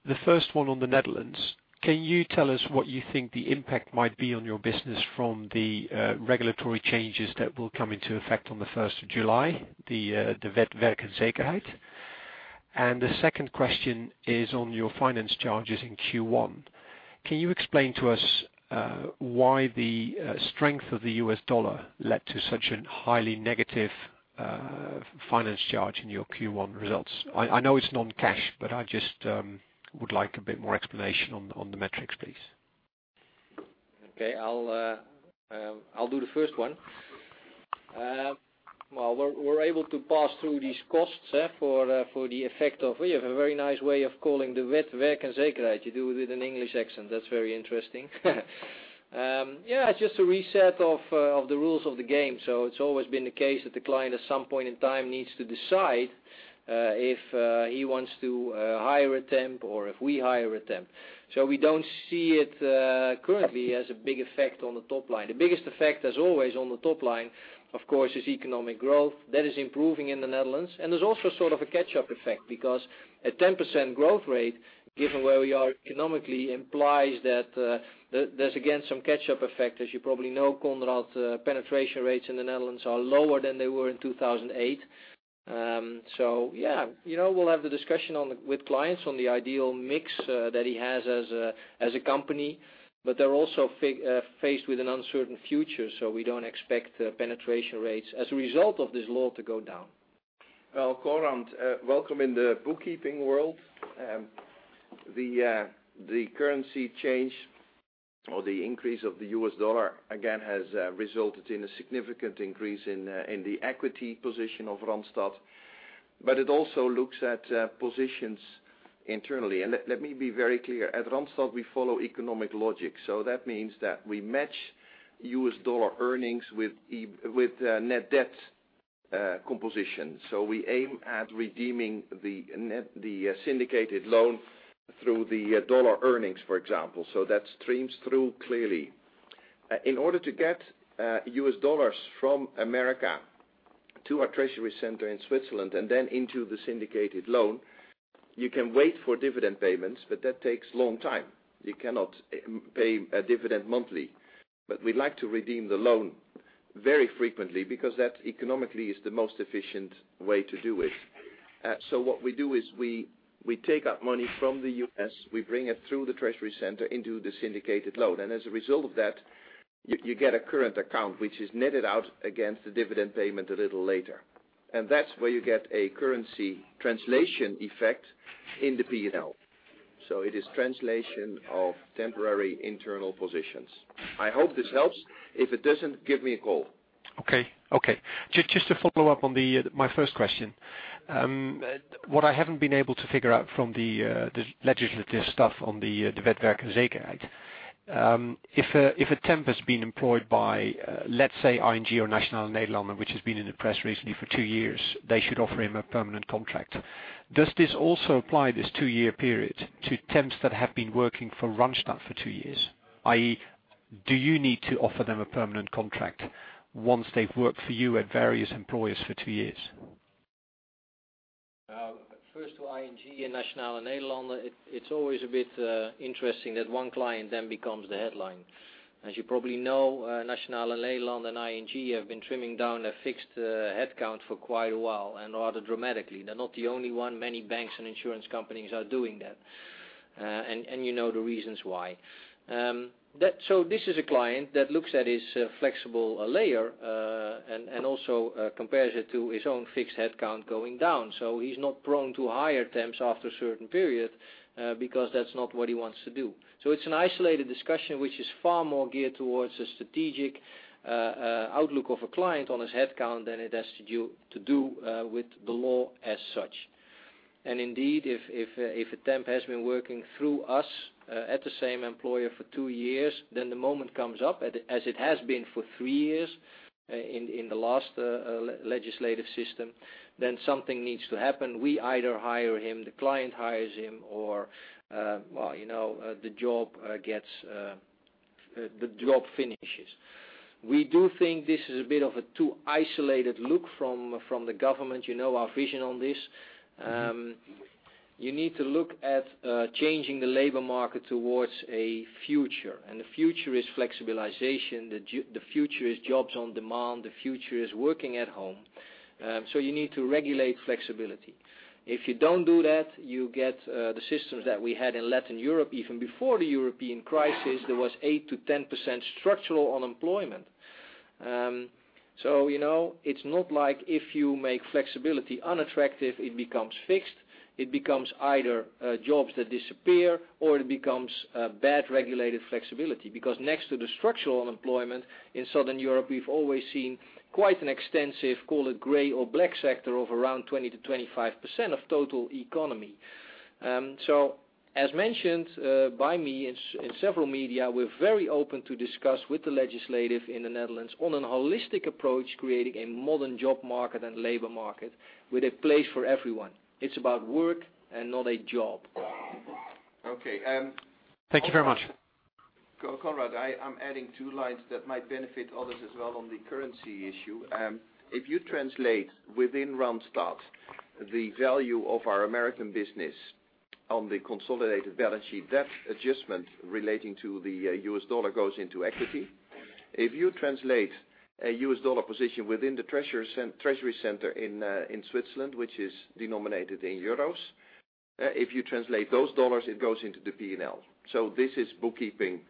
The first one on the Netherlands. Can you tell us what you think the impact might be on your business from the regulatory changes that will come into effect on the 1st of July, the Wet werk en zekerheid? The second question is on your finance charges in Q1. Can you explain to us why the strength of the US dollar led to such a highly negative finance charge in your Q1 results? I know it's non-cash, but I just would like a bit more explanation on the metrics, please. Okay. I'll do the first one. Well, we're able to pass through these costs for the effect of, we have a very nice way of calling the Wet werk en zekerheid. You do it with an English accent. That's very interesting. Yeah, it's just a reset of the rules of the game. It's always been the case that the client, at some point in time, needs to decide if he wants to hire a temp or if we hire a temp. We don't see it currently as a big effect on the top line. The biggest effect, as always on the top line, of course, is economic growth. That is improving in the Netherlands, and there's also sort of a catch-up effect because a 10% growth rate, given where we are economically, implies that there's again some catch-up effect. As you probably know, Konrad, penetration rates in the Netherlands are lower than they were in 2008. Yeah, we'll have the discussion with clients on the ideal mix that he has as a company, but they're also faced with an uncertain future. We don't expect penetration rates as a result of this law to go down. Well, Konrad, welcome in the bookkeeping world. The currency change or the increase of the US dollar, again, has resulted in a significant increase in the equity position of Randstad. It also looks at positions internally. Let me be very clear. At Randstad, we follow economic logic, so that means that we match US dollar earnings with net debt composition. We aim at redeeming the syndicated loan through the dollar earnings, for example. That streams through clearly. In order to get US dollars from America to our treasury center in Switzerland and then into the syndicated loan, you can wait for dividend payments, but that takes a long time. You cannot pay a dividend monthly. We'd like to redeem the loan very frequently because that economically is the most efficient way to do it. What we do is we take out money from the U.S., we bring it through the treasury center into the syndicated loan. As a result of that, you get a current account, which is netted out against the dividend payment a little later. That's where you get a currency translation effect in the P&L. It is translation of temporary internal positions. I hope this helps. If it doesn't, give me a call. Okay. Just to follow up on my first question. What I haven't been able to figure out from the legislative stuff on the Wet werk en zekerheid, if a temp has been employed by, let's say, ING or Nationale-Nederlanden, which has been in the press recently for two years, they should offer him a permanent contract. Does this also apply, this two-year period, to temps that have been working for Randstad for two years? i.e., do you need to offer them a permanent contract once they've worked for you at various employers for two years? First to ING and Nationale-Nederlanden, it's always a bit interesting that one client then becomes the headline. As you probably know, Nationale-Nederlanden and ING have been trimming down their fixed headcount for quite a while and rather dramatically. They're not the only one. Many banks and insurance companies are doing that, and you know the reasons why. This is a client that looks at his flexible layer, and also compares it to his own fixed headcount going down. He's not prone to hire temps after a certain period, because that's not what he wants to do. It's an isolated discussion which is far more geared towards the strategic outlook of a client on his headcount than it has to do with the law as such. Indeed, if a temp has been working through us at the same employer for 2 years, then the moment comes up, as it has been for 3 years in the last legislative system, then something needs to happen. We either hire him, the client hires him, or the job finishes. We do think this is a bit of a too isolated look from the government. You know our vision on this. You need to look at changing the labor market towards a future, the future is flexibilization. The future is jobs on demand. The future is working at home. You need to regulate flexibility. If you don't do that, you get the systems that we had in Latin Europe. Even before the European crisis, there was 8%-10% structural unemployment. It's not like if you make flexibility unattractive, it becomes fixed. It becomes either jobs that disappear, or it becomes bad regulated flexibility, because next to the structural unemployment in Southern Europe, we've always seen quite an extensive, call it gray or black sector of around 20%-25% of total economy. As mentioned by me in several media, we're very open to discuss with the legislative in the Netherlands on a holistic approach, creating a modern job market and labor market with a place for everyone. It's about work and not a job. Thank you very much. Konrad, I'm adding two lines that might benefit others as well on the currency issue. If you translate within Randstad the value of our American business on the consolidated balance sheet, that adjustment relating to the U.S. dollar goes into equity. If you translate a U.S. dollar position within the treasury center in Switzerland, which is denominated in euros, if you translate those dollars, it goes into the P&L. This is bookkeeping,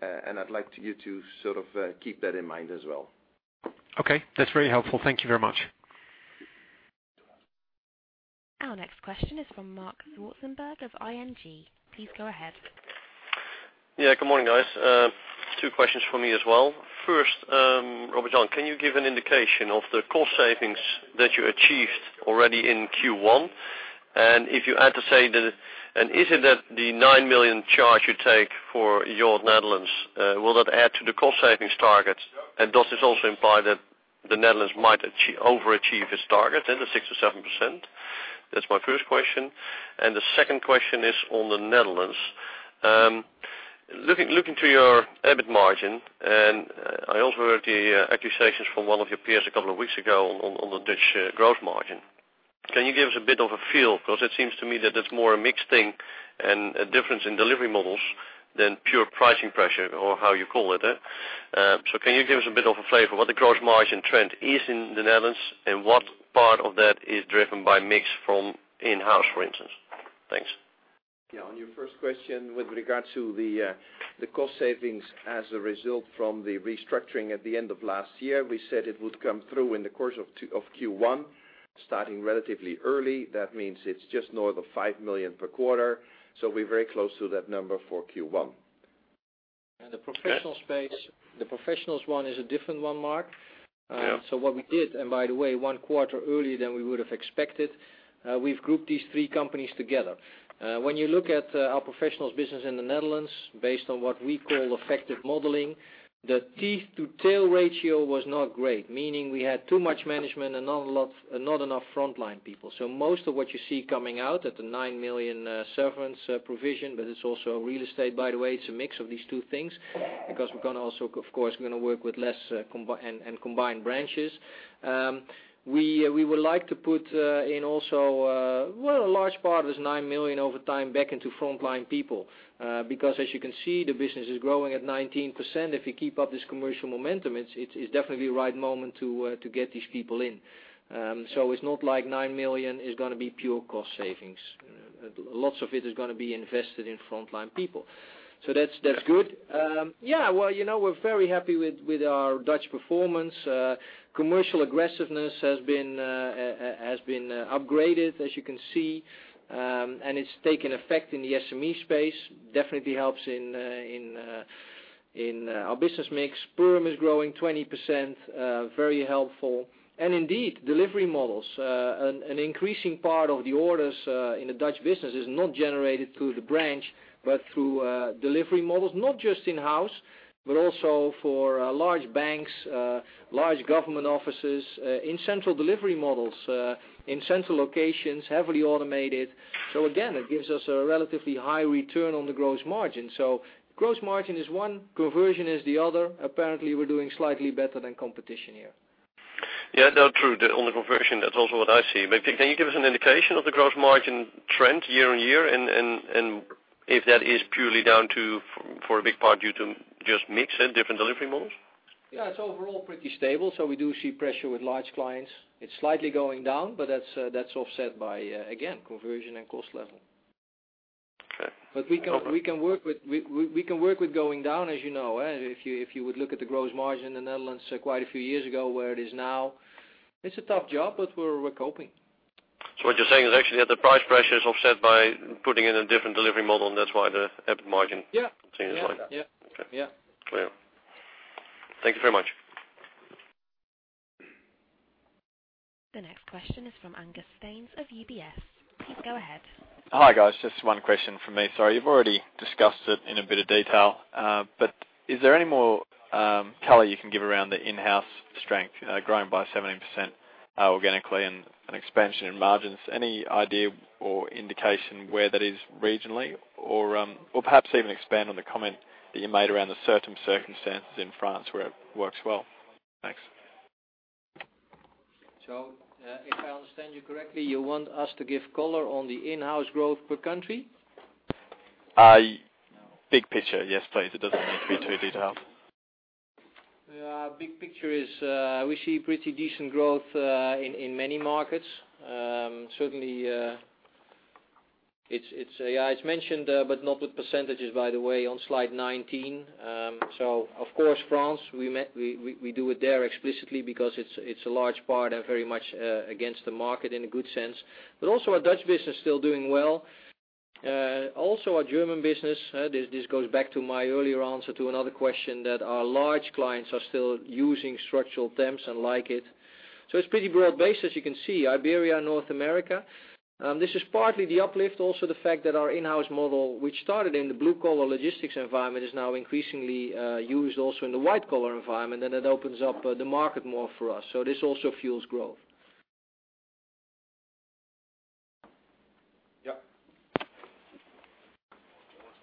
and I'd like you to keep that in mind as well. Okay. That's very helpful. Thank you very much. Our next question is from Marc Zwartsenburg of ING. Please go ahead. Good morning, guys. Two questions from me as well. First, Robert-Jan, can you give an indication of the cost savings that you achieved already in Q1? Is it that the 9 million charge you take for your Netherlands, will that add to the cost savings targets? Does this also imply that the Netherlands might overachieve its target, the 67%? That's my first question. The second question is on the Netherlands. Looking to your EBIT margin, I also heard the accusations from one of your peers a couple of weeks ago on the Dutch gross margin. Can you give us a bit of a feel? Because it seems to me that that's more a mixed thing and a difference in delivery models than pure pricing pressure, or how you call it. Can you give us a bit of a flavor what the gross margin trend is in the Netherlands and what part of that is driven by mix from in-house, for instance? Thanks. On your first question with regard to the cost savings as a result from the restructuring at the end of last year, we said it would come through in the course of Q1, starting relatively early. That means it's just north of 5 million per quarter, we're very close to that number for Q1. The professionals one is a different one, Marc. Yeah. What we did, and by the way, one quarter earlier than we would have expected, we've grouped these three companies together. When you look at our professionals business in the Netherlands, based on what we call effective modeling, the teeth-to-tail ratio was not great, meaning we had too much management and not enough frontline people. Most of what you see coming out at the 9 million severance provision, but it's also real estate, by the way. It's a mix of these two things. We're going to also, of course, work with less and combine branches. We would like to put in also, well, a large part of this 9 million over time back into frontline people. As you can see, the business is growing at 19%. If you keep up this commercial momentum, it's definitely the right moment to get these people in. It's not like 9 million is going to be pure cost savings. Lots of it is going to be invested in frontline people. That's good. Well, we're very happy with our Dutch performance. Commercial aggressiveness has been upgraded, as you can see. It's taken effect in the SME space. Definitely helps in our business mix. Perm is growing 20%, very helpful. Indeed, delivery models. An increasing part of the orders in the Dutch business is not generated through the branch, but through delivery models. Not just in-house, but also for large banks, large government offices in central delivery models, in central locations, heavily automated. Again, it gives us a relatively high return on the gross margin. Gross margin is one, conversion is the other. Apparently, we're doing slightly better than competition here. Yeah. No, true. On the conversion, that's also what I see. Can you give us an indication of the gross margin trend year-on-year and if that is purely down to, for a big part, due to just mix and different delivery models? Yeah, it's overall pretty stable. We do see pressure with large clients. It's slightly going down, that's offset by, again, conversion and cost level. Okay. We can work with going down, as you know. If you would look at the gross margin in the Netherlands quite a few years ago where it is now, it's a tough job, we're coping. What you're saying is actually that the price pressure is offset by putting in a different delivery model, that's why the EBIT margin- Yeah seems like that. Yeah. Okay. Yeah. Clear. Thank you very much. The next question is from Angus Zains of UBS. Please go ahead. Hi, guys. Just one question from me. Sorry. You've already discussed it in a bit of detail. Is there any more color you can give around the in-house strength growing by 17% organically and an expansion in margins? Any idea or indication where that is regionally or perhaps even expand on the comment that you made around the certain circumstances in France where it works well? Thanks. If I understand you correctly, you want us to give color on the in-house growth per country? Big picture, yes, please. It doesn't need to be too detailed. Big picture is we see pretty decent growth in many markets. Certainly, it's mentioned but not with percentages, by the way, on slide 19. Of course, France, we do it there explicitly because it's a large part and very much against the market in a good sense. Also our Dutch business still doing well. Also our German business. This goes back to my earlier answer to another question that our large clients are still using structural temps and like it. It's pretty broad-based, as you can see. Iberia, North America. This is partly the uplift, also the fact that our in-house model, which started in the blue-collar logistics environment, is now increasingly used also in the white-collar environment, and it opens up the market more for us. This also fuels growth.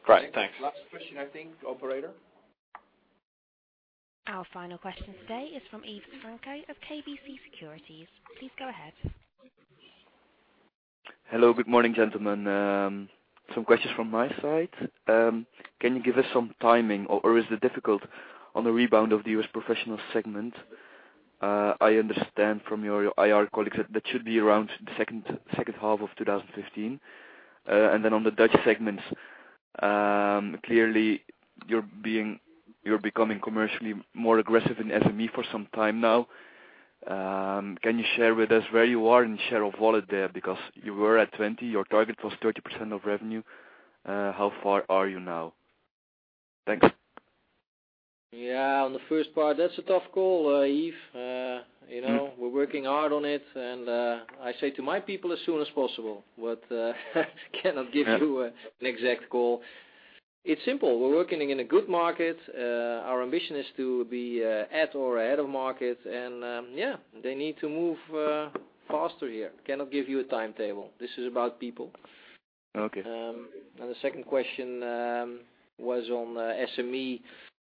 Great. Thanks. Last question, I think, operator. Our final question today is from Yves Franco of KBC Securities. Please go ahead. Hello. Good morning, gentlemen. Some questions from my side. Can you give us some timing or is it difficult on the rebound of the U.S. professional segment? I understand from your IR colleagues that should be around the second half of 2015. On the Dutch segment, clearly you're becoming commercially more aggressive in SME for some time now. Can you share with us where you are in share of wallet there? You were at 20, your target was 30% of revenue. How far are you now? Thanks. Yeah. On the first part, that's a tough call, Yves. We're working hard on it, and I say to my people as soon as possible, but I cannot give you an exact call. It's simple. We're working in a good market. Our ambition is to be at or ahead of market, and yeah, they need to move faster here. Cannot give you a timetable. This is about people. Okay. The second question was on SME.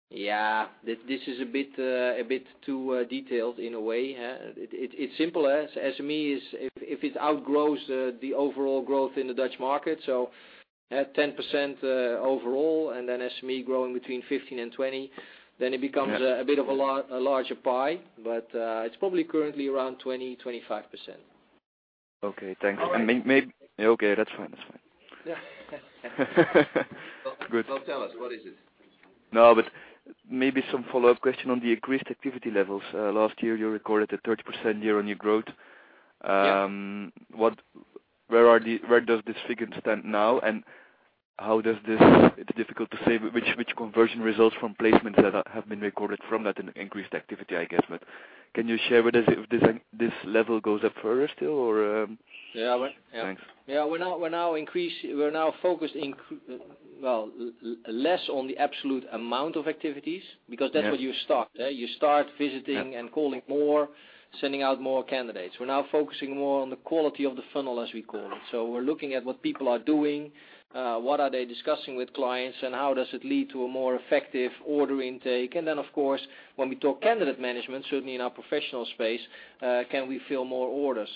Yeah. This is a bit too detailed in a way. It's simple. SME is if it outgrows the overall growth in the Dutch market, at 10% overall, SME growing between 15 and 20, it becomes a bit of a larger pie, but it's probably currently around 20%, 25%. Okay. Thanks. All right. Okay, that's fine. Good. Well, tell us, what is it? Maybe some follow-up question on the increased activity levels. Last year you recorded a 30% year-on-year growth. Yeah. Where does this figure stand now? It's difficult to say which conversion results from placements that have been recorded from that increased activity, I guess. Can you share with us if this level goes up further still or? Yeah. Thanks. Yeah, we're now focused, well, less on the absolute amount of activities because that's what you start. You start visiting and calling more, sending out more candidates. We're now focusing more on the quality of the funnel, as we call it. We're looking at what people are doing, what are they discussing with clients, and how does it lead to a more effective order intake. Of course, when we talk candidate management, certainly in our professional space, can we fill more orders?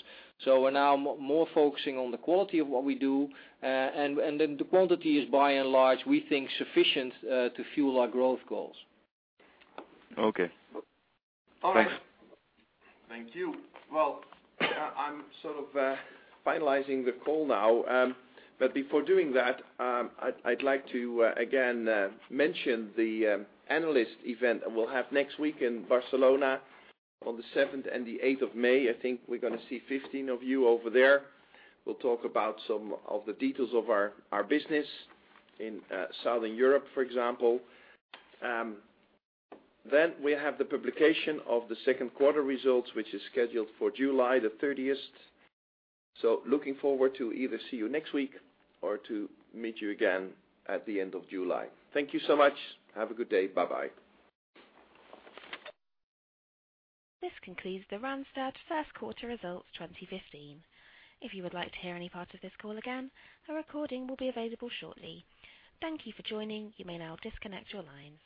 We're now more focusing on the quality of what we do. The quantity is by and large, we think, sufficient, to fuel our growth goals. Okay. Thanks. All right. Thank you. Well, I'm sort of finalizing the call now. Before doing that, I'd like to again, mention the analyst event that we'll have next week in Barcelona on the 7th and the 8th of May. I think we're going to see 15 of you over there. We'll talk about some of the details of our business in Southern Europe, for example. We have the publication of the second quarter results, which is scheduled for July the 30th. Looking forward to either see you next week or to meet you again at the end of July. Thank you so much. Have a good day. Bye-bye. This concludes the Randstad first quarter results 2015. If you would like to hear any part of this call again, a recording will be available shortly. Thank you for joining. You may now disconnect your lines.